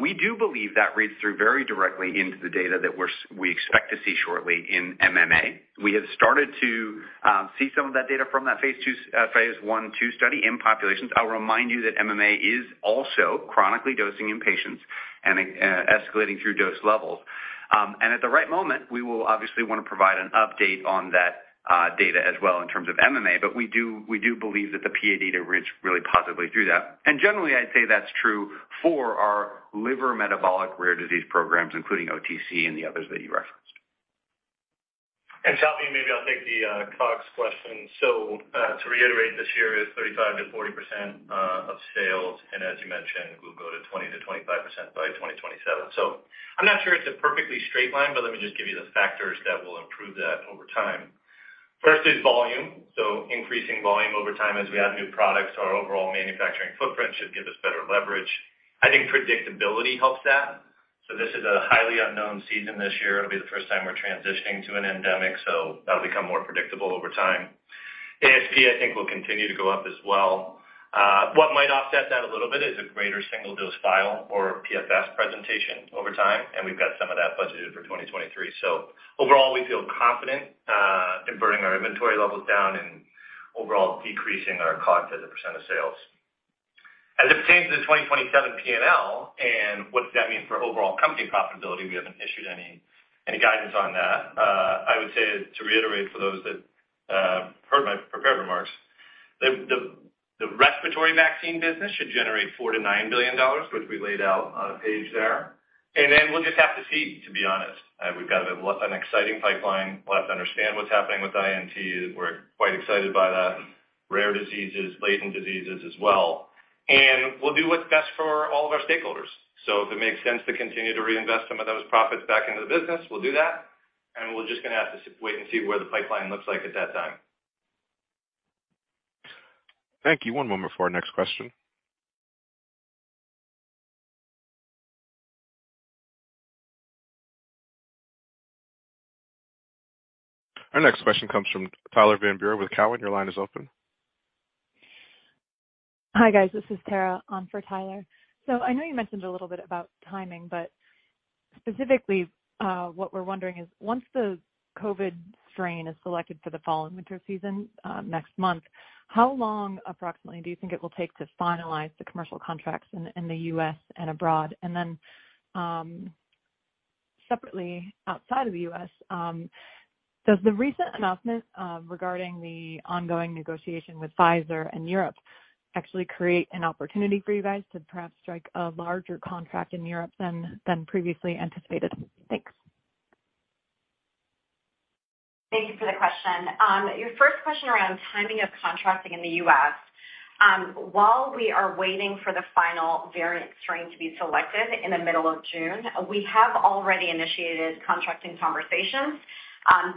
we do believe that reads through very directly into the data that we expect to see shortly in MMA. We have started to see some of that data from that phase II, phase I/II study in populations. I'll remind you that MMA is also chronically dosing in patients and escalating through dose levels. At the right moment, we will obviously wanna provide an update on that data as well in terms of MMA. We do believe that the PA data reads really positively through that. Generally, I'd say that's true for our liver metabolic rare disease programs, including OTC and the others that you referenced. Salveen, maybe I'll take the COGS question. To reiterate, this year is 35%-40% of sales, and as you mentioned, we'll go to 20%-25% by 2027. I'm not sure it's a perfectly straight line, but let me just give you the factors that will improve that over time. First is volume, so increasing volume over time as we add new products. Our overall manufacturing footprint should give us better leverage. I think predictability helps that. This is a highly unknown season this year. It'll be the first time we're transitioning to an endemic, so that'll become more predictable over time. ASP, I think, will continue to go up as well. What might offset that a little bit is a greater single-dose vial or PFS presentation over time, and we've got some of that budgeted for 2023. Overall, we feel confident in burning our inventory levels down and overall decreasing our COGS as a percentage of sales. As it pertains to the 2027 P&L and what does that mean for overall company profitability, we haven't issued any guidance on that. I would say to reiterate for those that heard my prepared remarks. Vaccine business should generate $4 billion-$9 billion, which we laid out on a page there. Then we'll just have to see, to be honest. We've got an exciting pipeline. We'll have to understand what's happening with INT. We're quite excited by that. Rare diseases, latent diseases as well. We'll do what's best for all of our stakeholders. If it makes sense to continue to reinvest some of those profits back into the business, we'll do that. We're just going to have to wait and see where the pipeline looks like at that time. Thank you. One moment for our next question. Our next question comes from Tyler Van Buren with Cowen. Your line is open. Hi, guys. This is Tara on for Tyler. I know you mentioned a little bit about timing, but specifically, what we're wondering is once the COVID strain is selected for the fall and winter season, next month, how long approximately do you think it will take to finalize the commercial contracts in the U.S. and abroad? Separately outside of the U.S., does the recent announcement regarding the ongoing negotiation with Pfizer in Europe actually create an opportunity for you guys to perhaps strike a larger contract in Europe than previously anticipated? Thanks. Thank you for the question. Your first question around timing of contracting in the U.S. While we are waiting for the final variant strain to be selected in the middle of June, we have already initiated contracting conversations,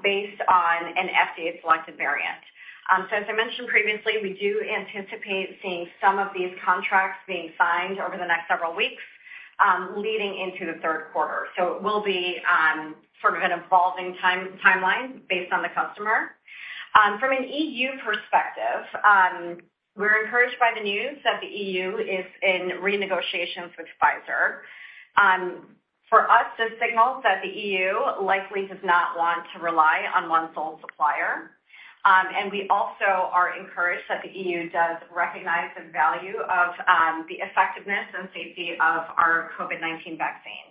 based on an FDA-selected variant. As I mentioned previously, we do anticipate seeing some of these contracts being signed over the next several weeks, leading into the third quarter. It will be, sort of an evolving time-timeline based on the customer. From an EU perspective, we're encouraged by the news that the EU is in renegotiations with Pfizer. For us, this signals that the EU likely does not want to rely on one sole supplier. We also are encouraged that the EU does recognize the value of, the effectiveness and safety of our COVID-19 vaccine.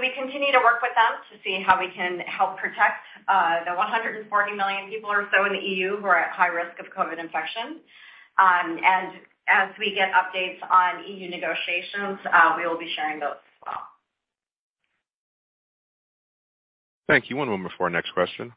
We continue to work with them to see how we can help protect the 140 million people or so in the EU who are at high risk of COVID infection. As we get updates on EU negotiations, we will be sharing those as well. Thank you. One moment before our next question.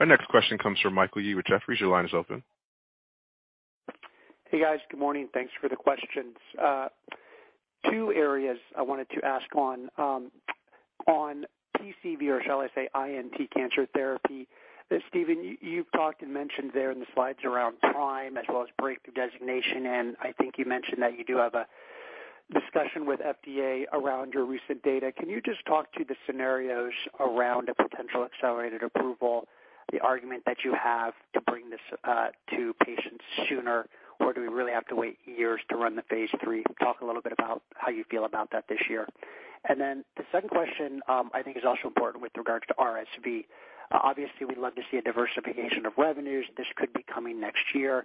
Our next question comes from Michael Yee with Jefferies. Your line is open. Hey, guys. Good morning. Thanks for the questions. Two areas I wanted to ask on. On PCV, or shall I say INT cancer therapy, Stephen, you've talked and mentioned there in the slides around time as well as breakthrough designation, and I think you mentioned that you do have a discussion with FDA around your recent data. Can you just talk to the scenarios around a potential accelerated approval, the argument that you have to bring this to patients sooner? Do we really have to wait years to run the phase III? Talk a little bit about how you feel about that this year. The second question, I think is also important with regards to RSV. Obviously, we'd love to see a diversification of revenues. This could be coming next year.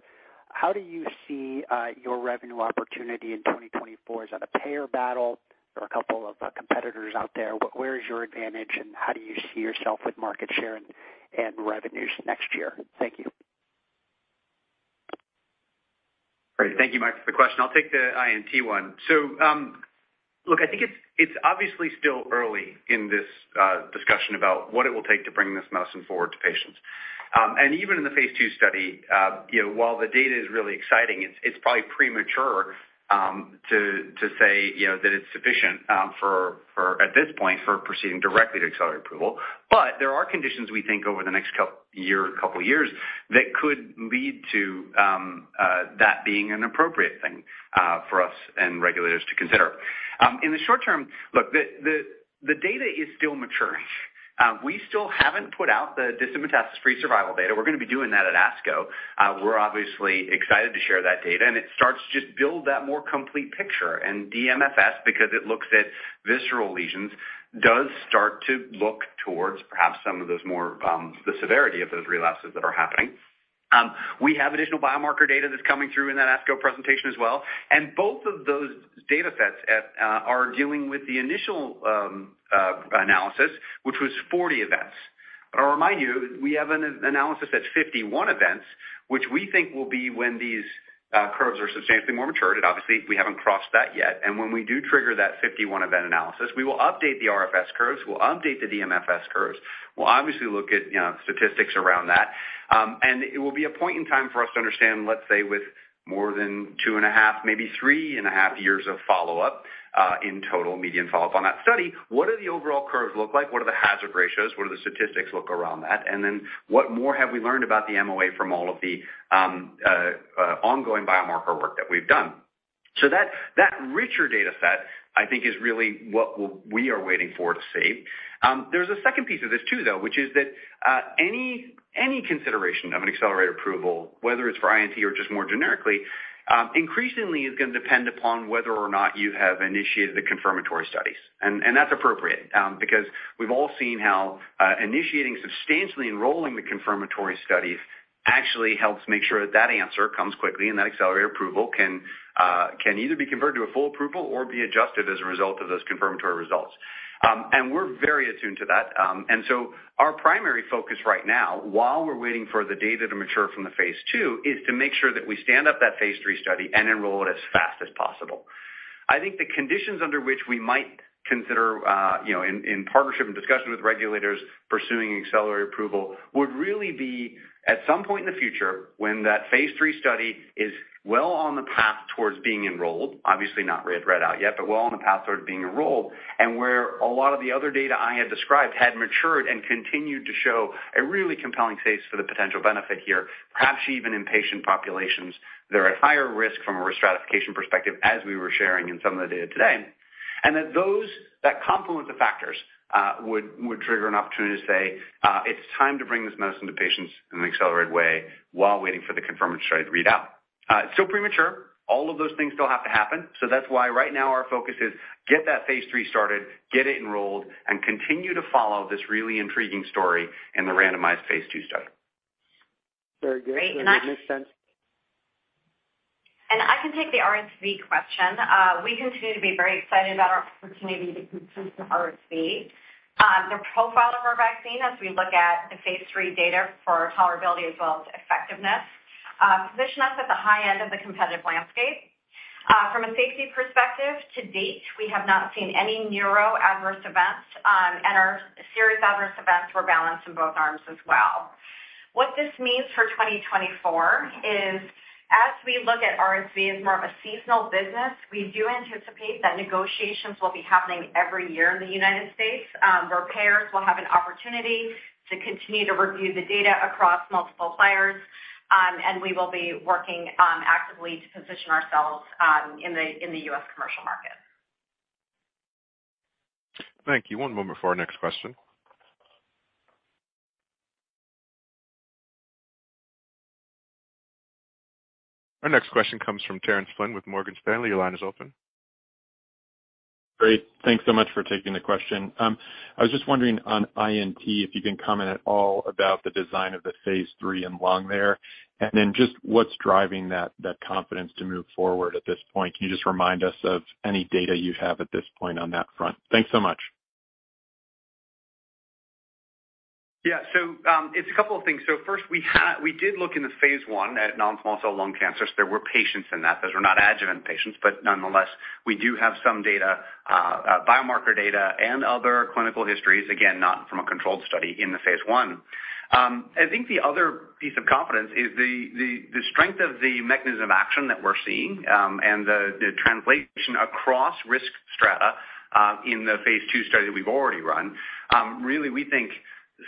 How do you see your revenue opportunity in 2024? Is that a payer battle? There are a couple of competitors out there. Where is your advantage, and how do you see yourself with market share and revenues next year? Thank you. Great. Thank you, Mike, for the question. I'll take the INT one. Look, I think it's obviously still early in this discussion about what it will take to bring this medicine forward to patients. Even in the phase II study, you know, while the data is really exciting, it's probably premature to say, you know, that it's sufficient for at this point for proceeding directly to accelerated approval. There are conditions we think over the next couple of years that could lead to that being an appropriate thing for us and regulators to consider. In the short term, look, the data is still maturing. We still haven't put out the distant metastasis-free survival data. We're going to be doing that at ASCO. We're obviously excited to share that data, and it starts to just build that more complete picture. DMFS, because it looks at visceral lesions, does start to look towards perhaps some of those more, the severity of those relapses that are happening. We have additional biomarker data that's coming through in that ASCO presentation as well. Both of those data sets are dealing with the initial analysis, which was 40 events. I'll remind you, we have an analysis that's 51 events, which we think will be when these curves are substantially more matured. Obviously, we haven't crossed that yet. When we do trigger that 51 event analysis, we will update the RFS curves, we'll update the DMFS curves. We'll obviously look at, you know, statistics around that. It will be a point in time for us to understand, let's say, with more than 2.5, maybe 3.5 years of follow-up, in total median follow-up on that study, what do the overall curves look like? What are the hazard ratios? What are the statistics look around that? What more have we learned about the MOA from all of the ongoing biomarker work that we've done? That richer data set, I think, is really what we are waiting for to see. There's a second piece of this too, though, which is that any consideration of an accelerated approval, whether it's for INT or just more generically, increasingly is going to depend upon whether or not you have initiated the confirmatory studies. That's appropriate, because we've all seen how initiating substantially enrolling the confirmatory studies actually helps make sure that that answer comes quickly and that accelerated approval can either be converted to a full approval or be adjusted as a result of those confirmatory results. We're very attuned to that. Our primary focus right now, while we're waiting for the data to mature from the phase II, is to make sure that we stand up that phase III study and enroll it as fast as possible. I think the conditions under which we might consider, you know, in partnership and discussion with regulators pursuing accelerated approval would really be at some point in the future when that Phase III study is well on the path towards being enrolled, obviously not read out yet, but well on the path towards being enrolled and where a lot of the other data I had described had matured and continued to show a really compelling case for the potential benefit here, perhaps even in patient populations that are at higher risk from a risk stratification perspective, as we were sharing in some of the data today. And that those that complement the factors would trigger an opportunity to say, it's time to bring this medicine to patients in an accelerated way while waiting for the confirmatory study to read out. It's still premature. All of those things still have to happen. That's why right now our focus is get that phase III started, get it enrolled, and continue to follow this really intriguing story in the randomized phase II study. Very good. Great. I- Very good. Makes sense. I can take the RSV question. We continue to be very excited about our opportunity to compete with RSV. The profile of our vaccine as we look at the phase III data for tolerability as well as effectiveness, position us at the high end of the competitive landscape. From a safety perspective, to date, we have not seen any neuro adverse events, and our serious adverse events were balanced in both arms as well. This means for 2024 is as we look at RSV as more of a seasonal business, we do anticipate that negotiations will be happening every year in the United States. Repairs will have an opportunity to continue to review the data across multiple buyers, and we will be working actively to position ourselves in the, in the U.S. commercial market. Thank you. One moment for our next question. Our next question comes from Terence Flynn with Morgan Stanley. Your line is open. Great. Thanks so much for taking the question. I was just wondering on INT, if you can comment at all about the design of the phase III in lung there, and then just what's driving that confidence to move forward at this point. Can you just remind us of any data you have at this point on that front? Thanks so much. Yeah. It's a couple of things. First, we did look in the phase I at non-small cell lung cancers. There were patients in that. Those were not adjuvant patients, but nonetheless, we do have some data, biomarker data and other clinical histories, again, not from a controlled study in the phase I. I think the other piece of confidence is the strength of the mechanism action that we're seeing, and the translation across risk strata, in the phase II study that we've already run, really, we think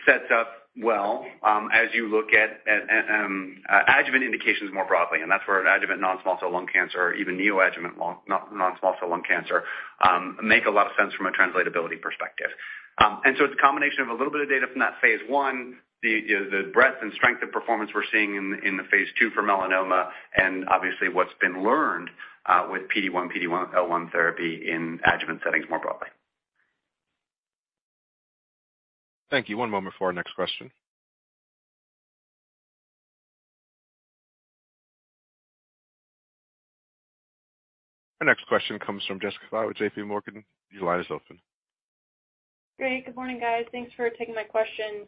sets up well, as you look at adjuvant indications more broadly, and that's where adjuvant non-small cell lung cancer or even neoadjuvant non-small cell lung cancer make a lot of sense from a translatability perspective. It's a combination of a little bit of data from that phase I, the, you know, the breadth and strength of performance we're seeing in the phase II for melanoma, and obviously, what's been learned, with PD-1, PD-L1 therapy in adjuvant settings more broadly. Thank you. One moment for our next question. Our next question comes from Jessica Fye with JPMorgan. Your line is open. Great. Good morning, guys. Thanks for taking my questions.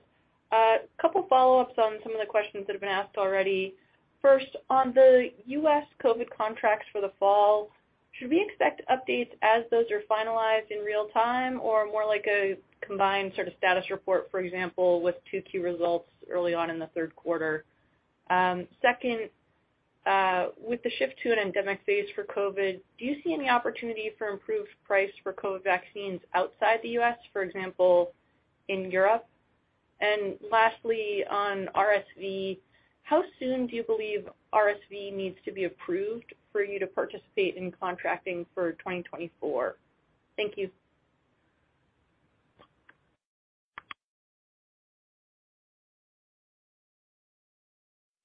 A couple follow-ups on some of the questions that have been asked already. First, on the U.S. COVID contracts for the fall, should we expect updates as those are finalized in real time or more like a combined sort of status report, for example, with 2Q results early on in the third quarter? Second, with the shift to an endemic phase for COVID, do you see any opportunity for improved price for COVID vaccines outside the U.S., for example, in Europe? Lastly, on RSV, how soon do you believe RSV needs to be approved for you to participate in contracting for 2024? Thank you.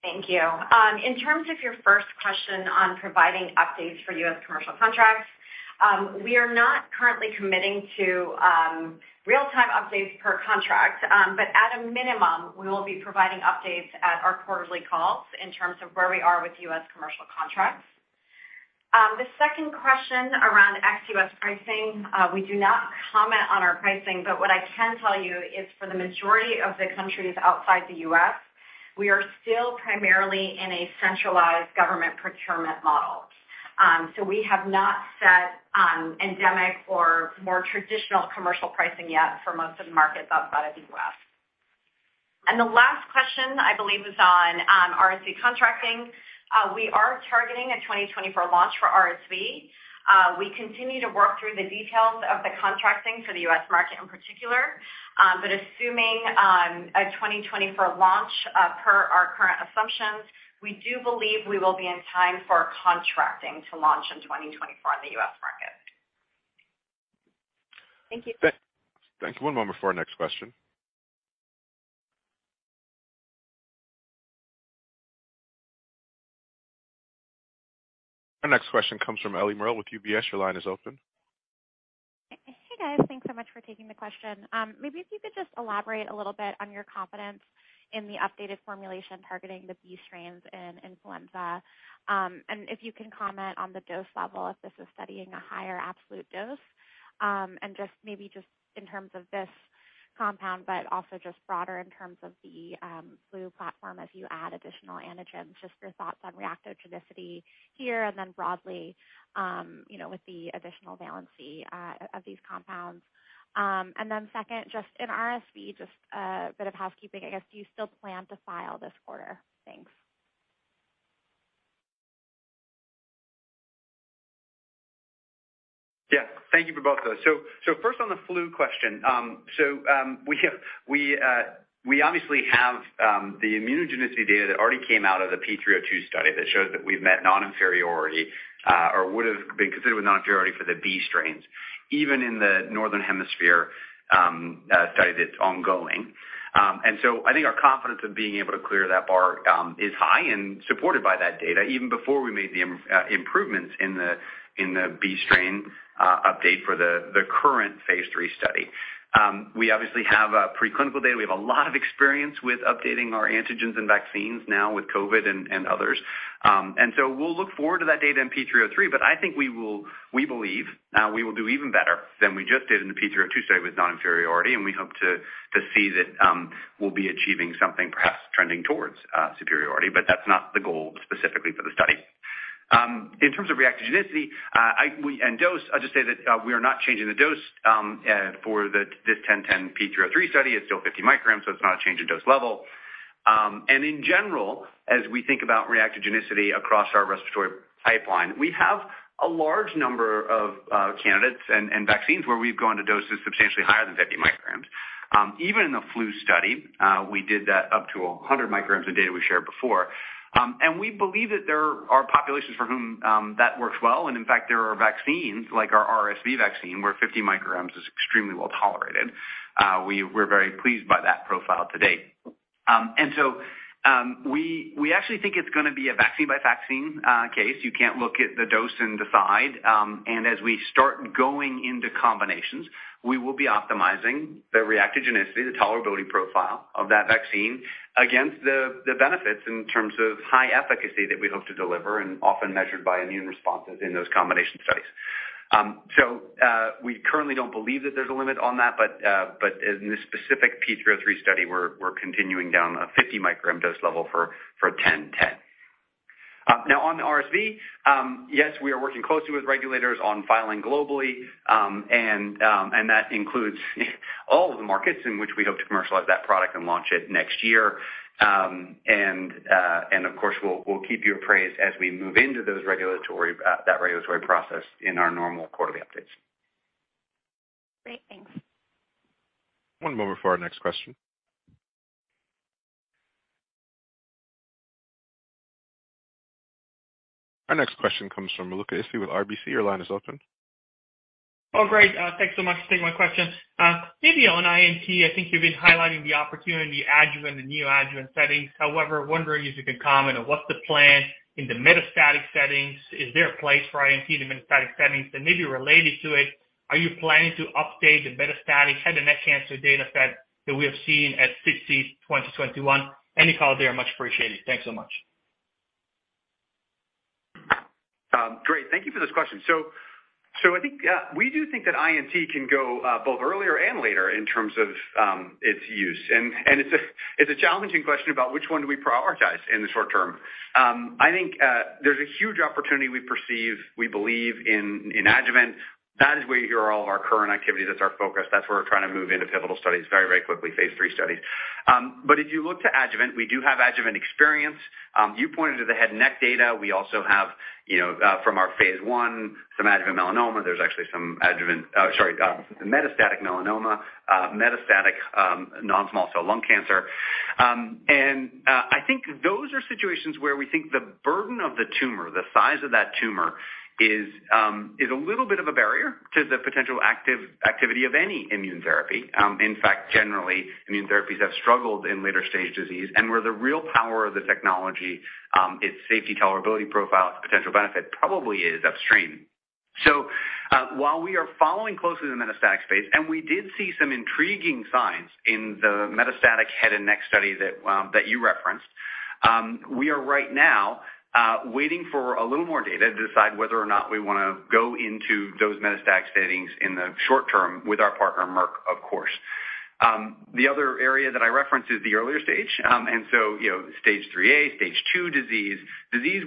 Thank you. In terms of your first question on providing updates for U.S. commercial contracts, we are not currently committing to real-time updates per contract. At a minimum, we will be providing updates at our quarterly calls in terms of where we are with U.S. commercial contracts. The second question around ex-U.S. pricing, we do not comment on our pricing, but what I can tell you is for the majority of the countries outside the U.S., we are still primarily in a centralized government procurement model. We have not set endemic or more traditional commercial pricing yet for most of the markets outside of the U.S. The last question, I believe, is on RSV contracting. We are targeting a 2024 launch for RSV. We continue to work through the details of the contracting for the U.S. market in particular. Assuming a 2024 launch, per our current assumptions, we do believe we will be in time for contracting to launch in 2024 in the U.S. market. Thank you. Thank you. One moment for our next question. Our next question comes from Ellie Merle with UBS. Your line is open. Hey, guys. Thanks so much for taking the question. Maybe if you could just elaborate a little bit on your confidence in the updated formulation targeting the B strains in influenza, and if you can comment on the dose level, if this is studying a higher absolute dose, and just maybe just in terms of this compound, but also just broader in terms of the flu platform as you add additional antigens, just your thoughts on reactogenicity here and then broadly, you know, with the additional valency of these compounds? Second, just in RSV, just a bit of housekeeping, I guess. Do you still plan to file this quarter? Thanks. Yeah. Thank you for both those. First on the flu question. We obviously have the immunogenicity data that already came out of the P302 study that shows that we've met non-inferiority or would've been considered with non-inferiority for the B strains, even in the Northern Hemisphere study that's ongoing. I think our confidence of being able to clear that bar is high and supported by that data even before we made the improvements in the B strain update for the current phase III study. We obviously have preclinical data. We have a lot of experience with updating our antigens and vaccines now with COVID and others. We'll look forward to that data in P303, but I think we believe we will do even better than we just did in the P302 study with non-inferiority, and we hope to see that we'll be achieving something perhaps trending towards superiority, but that's not the goal specifically for the study. In terms of reactogenicity, and dose, I'll just say that we are not changing the dose for this P303 study. It's still 50 micrograms, so it's not a change in dose level. In general, as we think about reactogenicity across our respiratory pipeline, we have a large number of candidates and vaccines where we've gone to doses substantially higher than 50 micrograms. Even in the flu study, we did that up to 100 micrograms in data we shared before. We believe that there are populations for whom that works well, and in fact, there are vaccines like our RSV vaccine, where 50 micrograms is extremely well-tolerated. We're very pleased by that profile to date. We actually think it's gonna be a vaccine by vaccine case. You can't look at the dose and decide. As we start going into combinations, we will be optimizing the reactogenicity, the tolerability profile of that vaccine against the benefits in terms of high efficacy that we hope to deliver and often measured by immune responses in those combination studies. We currently don't believe that there's a limit on that, but in this specific P303 study, we're continuing down a 50-microgram dose level for 10/10. Now on the RSV, yes, we are working closely with regulators on filing globally, and that includes all of the markets in which we hope to commercialize that product and launch it next year. And of course, we'll keep you appraised as we move into those regulatory process in our normal quarterly updates. Great. Thanks. One moment for our next question. Our next question comes from Luca Issi with RBC. Your line is open. Great. Thanks so much for taking my question. Maybe on INT, I think you've been highlighting the opportunity adjuvant and neo-adjuvant settings. However, wondering if you can comment on what's the plan in the metastatic settings. Is there a place for INT in the metastatic settings? Maybe related to it, are you planning to update the metastatic head and neck cancer dataset that we have seen at 2021? Any call there are much appreciated. Thanks so much. Great. Thank you for this question. I think, we do think that INT can go both earlier and later in terms of its use. It's a challenging question about which one do we prioritize in the short term. I think, there's a huge opportunity we perceive, we believe in adjuvant. That is where all of our current activity, that's our focus. That's where we're trying to move into pivotal studies very quickly, phase III studies. If you look to adjuvant, we do have adjuvant experience. You pointed to the head and neck data. We also have, you know, from our phase I, some adjuvant melanoma. There's actually sorry, metastatic melanoma, metastatic non-small cell lung cancer. I think those are situations where we think the burden of the tumor, the size of that tumor is a little bit of a barrier to the potential active activity of any immune therapy. In fact, generally, immune therapies have struggled in later stage disease and where the real power of the technology, its safety tolerability profile, its potential benefit probably is upstream. While we are following closely the metastatic space, and we did see some intriguing signs in the metastatic head and neck study that you referenced, we are right now waiting for a little more data to decide whether or not we wanna go into those metastatic settings in the short term with our partner, Merck, of course. The other area that I referenced is the earlier stage. You know, stage 3A, stage 2 disease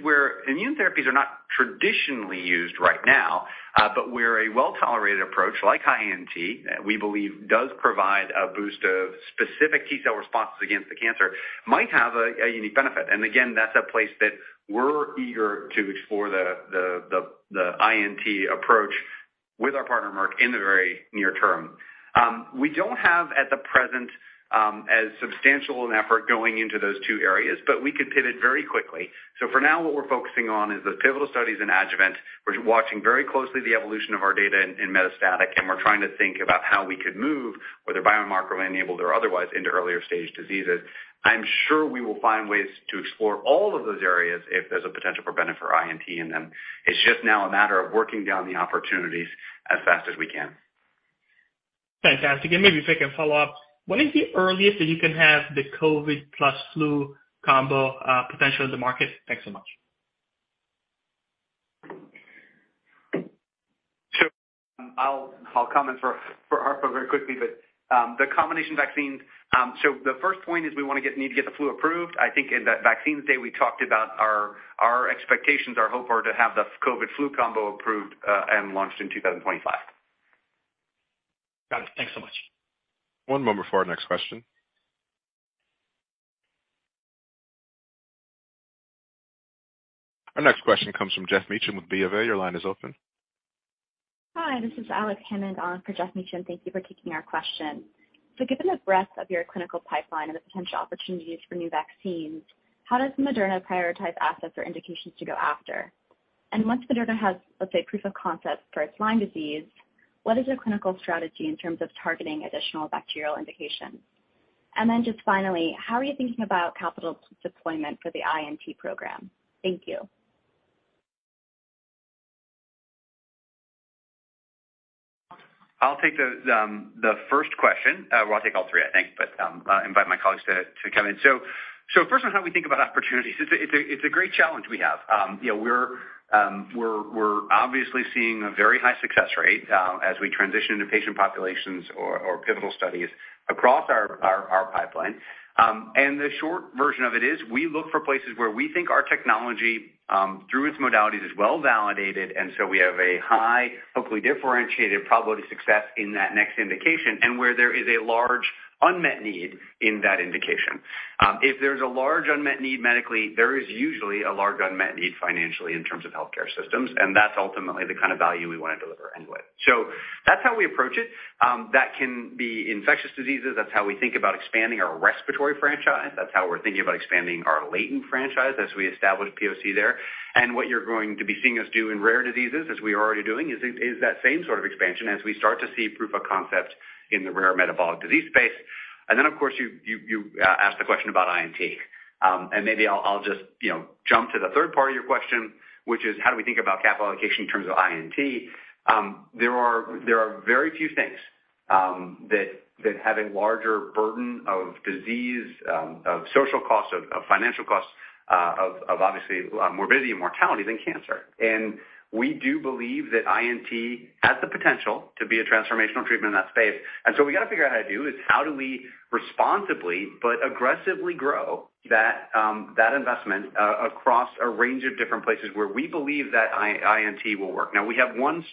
where immune therapies are not traditionally used right now, but where a well-tolerated approach like INT, we believe does provide a boost of specific T-cell responses against the cancer, might have a unique benefit. That's a place that we're eager to explore the INT approach with our partner, Merck, in the very near term. We don't have at the present as substantial an effort going into those two areas, but we could pivot very quickly. For now, what we're focusing on is the pivotal studies in adjuvant. We're watching very closely the evolution of our data in metastatic, and we're trying to think about how we could move, whether biomarker enabled or otherwise, into earlier stage diseases. I'm sure we will find ways to explore all of those areas if there's a potential for benefit for INT in them. It's just now a matter of working down the opportunities as fast as we can. Fantastic. Maybe if I can follow up, when is the earliest that you can have the COVID plus flu combo, potentially in the market? Thanks so much. Sure. I'll comment for Arpa very quickly, but the combination vaccine. The first point is we need to get the flu approved. I think in that Vaccines Day, we talked about our expectations, our hope are to have the COVID flu combo approved and launched in 2025. Got it. Thanks so much. One moment for our next question. Our next question comes from Geoff Meacham with BofA. Your line is open. Hi, this is Alexandria Hammond on for Geoff Meacham. Thank you for taking our question. Given the breadth of your clinical pipeline and the potential opportunities for new vaccines, how does Moderna prioritize assets or indications to go after? Once Moderna has, let's say, proof of concept for its Lyme disease, what is your clinical strategy in terms of targeting additional bacterial indications? Just finally, how are you thinking about capital deployment for the INT program? Thank you. I'll take the first question. Well, I'll take all three, I think, but I'll invite my colleagues to come in. First one, how we think about opportunities. It's a great challenge we have. You know, we're obviously seeing a very high success rate as we transition into patient populations or pivotal studies across our pipeline. The short version of it is we look for places where we think our technology through its modalities is well-validated, and so we have a high, hopefully differentiated probability of success in that next indication, and where there is a large unmet need in that indication. If there's a large unmet need medically, there is usually a large unmet need financially in terms of healthcare systems, and that's ultimately the kind of value we wanna deliver and with. That's how we approach it. That can be infectious diseases. That's how we think about expanding our respiratory franchise. That's how we're thinking about expanding our latent franchise as we establish POC there. What you're going to be seeing us do in rare diseases, as we are already doing, is that same sort of expansion as we start to see proof of concept in the rare metabolic disease space. Then, of course, you asked the question about INT. Maybe I'll just, you know, jump to the third part of your question, which is how do we think about capital allocation in terms of INT? There are very few things that have a larger burden of disease, of social costs, of financial costs, of obviously, morbidity and mortality than cancer. We do believe that INT has the potential to be a transformational treatment in that space. We gotta figure out how to do is how do we responsibly but aggressively grow that investment across a range of different places where we believe that INT will work. We have one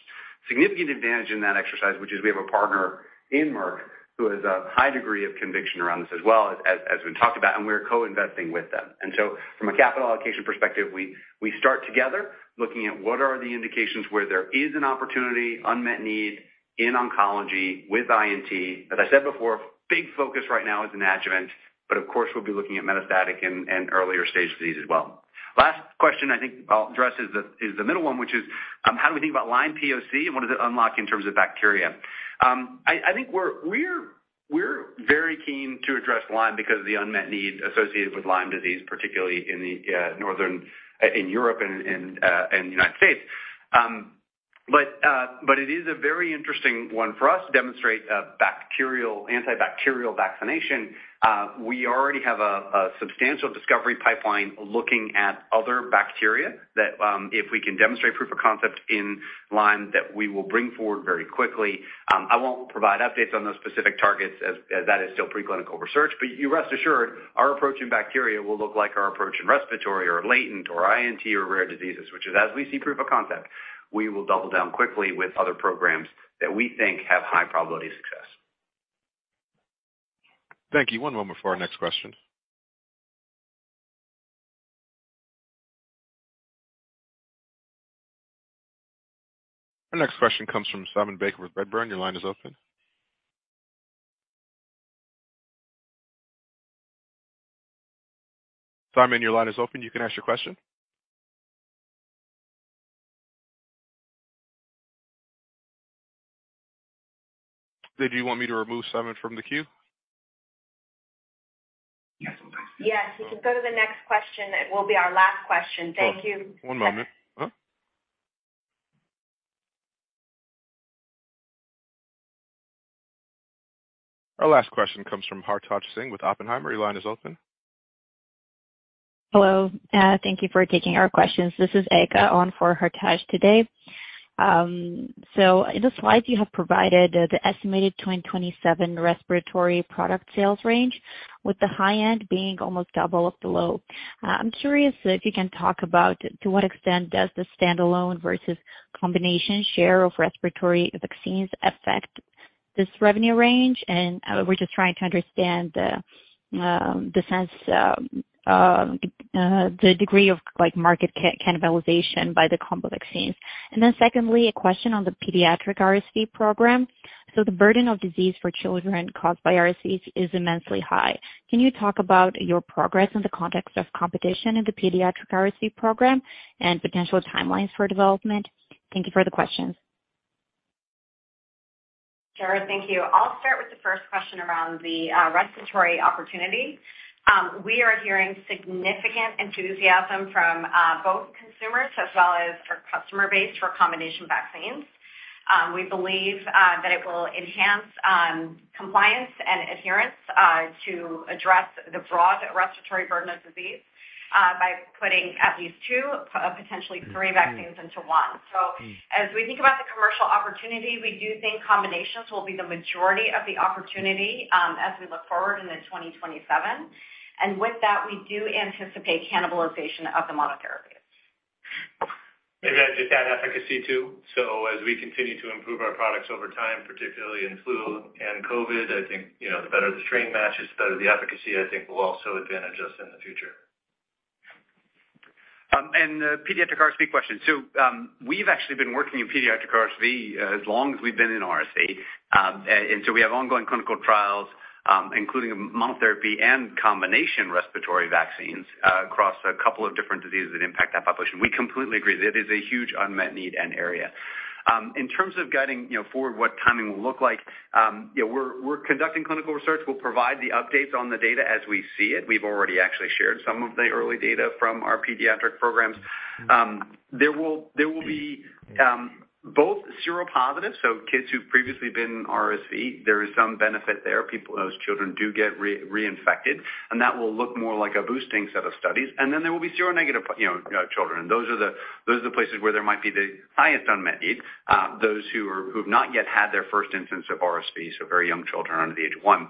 significant advantage in that exercise, which is we have a partner in Merck who has a high degree of conviction around this as well as we talked about, and we're co-investing with them. From a capital allocation perspective, we start together looking at what are the indications where there is an opportunity, unmet need in oncology with INT. As I said before, big focus right now is in adjuvant, but of course, we'll be looking at metastatic and earlier stage disease as well. Last question I think I'll address is the middle one, which is how do we think about Lyme POC and what does it unlock in terms of bacteria? I think we're very keen to address Lyme because of the unmet need associated with Lyme disease, particularly in the northern in Europe and United States. But it is a very interesting one for us to demonstrate an antibacterial vaccination. We already have a substantial discovery pipeline looking at other bacteria that, if we can demonstrate proof of concept in Lyme that we will bring forward very quickly. I won't provide updates on those specific targets as that is still preclinical research. You rest assured our approach in bacteria will look like our approach in respiratory or latent or INT or rare diseases, which is as we see proof of concept, we will double down quickly with other programs that we think have high probability of success. Thank you. One moment for our next question. Our next question comes from Simon Baker with Redburn. Your line is open. Simon, your line is open. You can ask your question. Did you want me to remove Simon from the queue? Yes, please. Yes, you can go to the next question. It will be our last question. Thank you. Oh, one moment. Our last question comes from Hartaj Singh with Oppenheimer. Your line is open. Hello. Thank you for taking our questions. This is Erica on for Hartaj today. In the slide you have provided the estimated 2027 respiratory product sales range, with the high end being almost double of the low. I'm curious if you can talk about to what extent does the standalone versus combination share of respiratory vaccines affect this revenue range? We're just trying to understand the sense the degree of like market cannibalization by the combo vaccines. Secondly, a question on the pediatric RSV program. The burden of disease for children caused by RSV is immensely high. Can you talk about your progress in the context of competition in the pediatric RSV program and potential timelines for development? Thank you for the questions. Sure. Thank you. I'll start with the first question around the respiratory opportunity. We are hearing significant enthusiasm from both consumers as well as our customer base for combination vaccines. We believe that it will enhance compliance and adherence to address the broad respiratory burden of disease by putting at least two, potentially three vaccines into one. As we think about the commercial opportunity, we do think combinations will be the majority of the opportunity as we look forward into 2027. With that, we do anticipate cannibalization of the monotherapies. Maybe I'd just add efficacy too. As we continue to improve our products over time, particularly in flu and COVID, I think, you know, the better the strain matches, the better the efficacy, I think will also advantage us in the future. A pediatric RSV question. We've actually been working in pediatric RSV as long as we've been in RSV. We have ongoing clinical trials, including monotherapy and combination respiratory vaccines across a couple of different diseases that impact that population. We completely agree. That is a huge unmet need and area. In terms of guiding, you know, forward what timing will look like, you know, we're conducting clinical research. We'll provide the updates on the data as we see it. We've already actually shared some of the early data from our pediatric programs. There will be both seropositive, so kids who've previously been RSV, there is some benefit there. Those children do get reinfected, and that will look more like a boosting set of studies. Then there will be seronegative, you know, children. Those are the places where there might be the highest unmet need, those who've not yet had their first instance of RSV, so very young children under the age of one.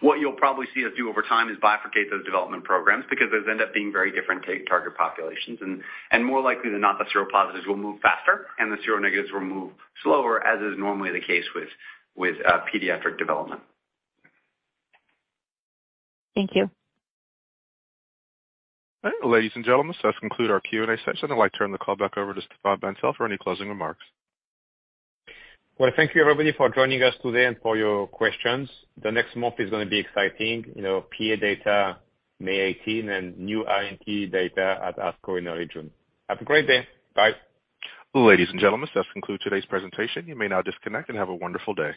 What you'll probably see us do over time is bifurcate those development programs because those end up being very different target populations. More likely than not, the seropositives will move faster and the seronegatives will move slower, as is normally the case with pediatric development. Thank you. Ladies and gentlemen, this does conclude our Q&A session. I'd like to turn the call back over to Stéphane Bancel for any closing remarks. Well, thank you, everybody, for joining us today and for your questions. The next month is gonna be exciting. You know, PA data May 18 and new INT data at ASCO in early June. Have a great day. Bye. Ladies and gentlemen, this does conclude today's presentation. You may now disconnect and have a wonderful day.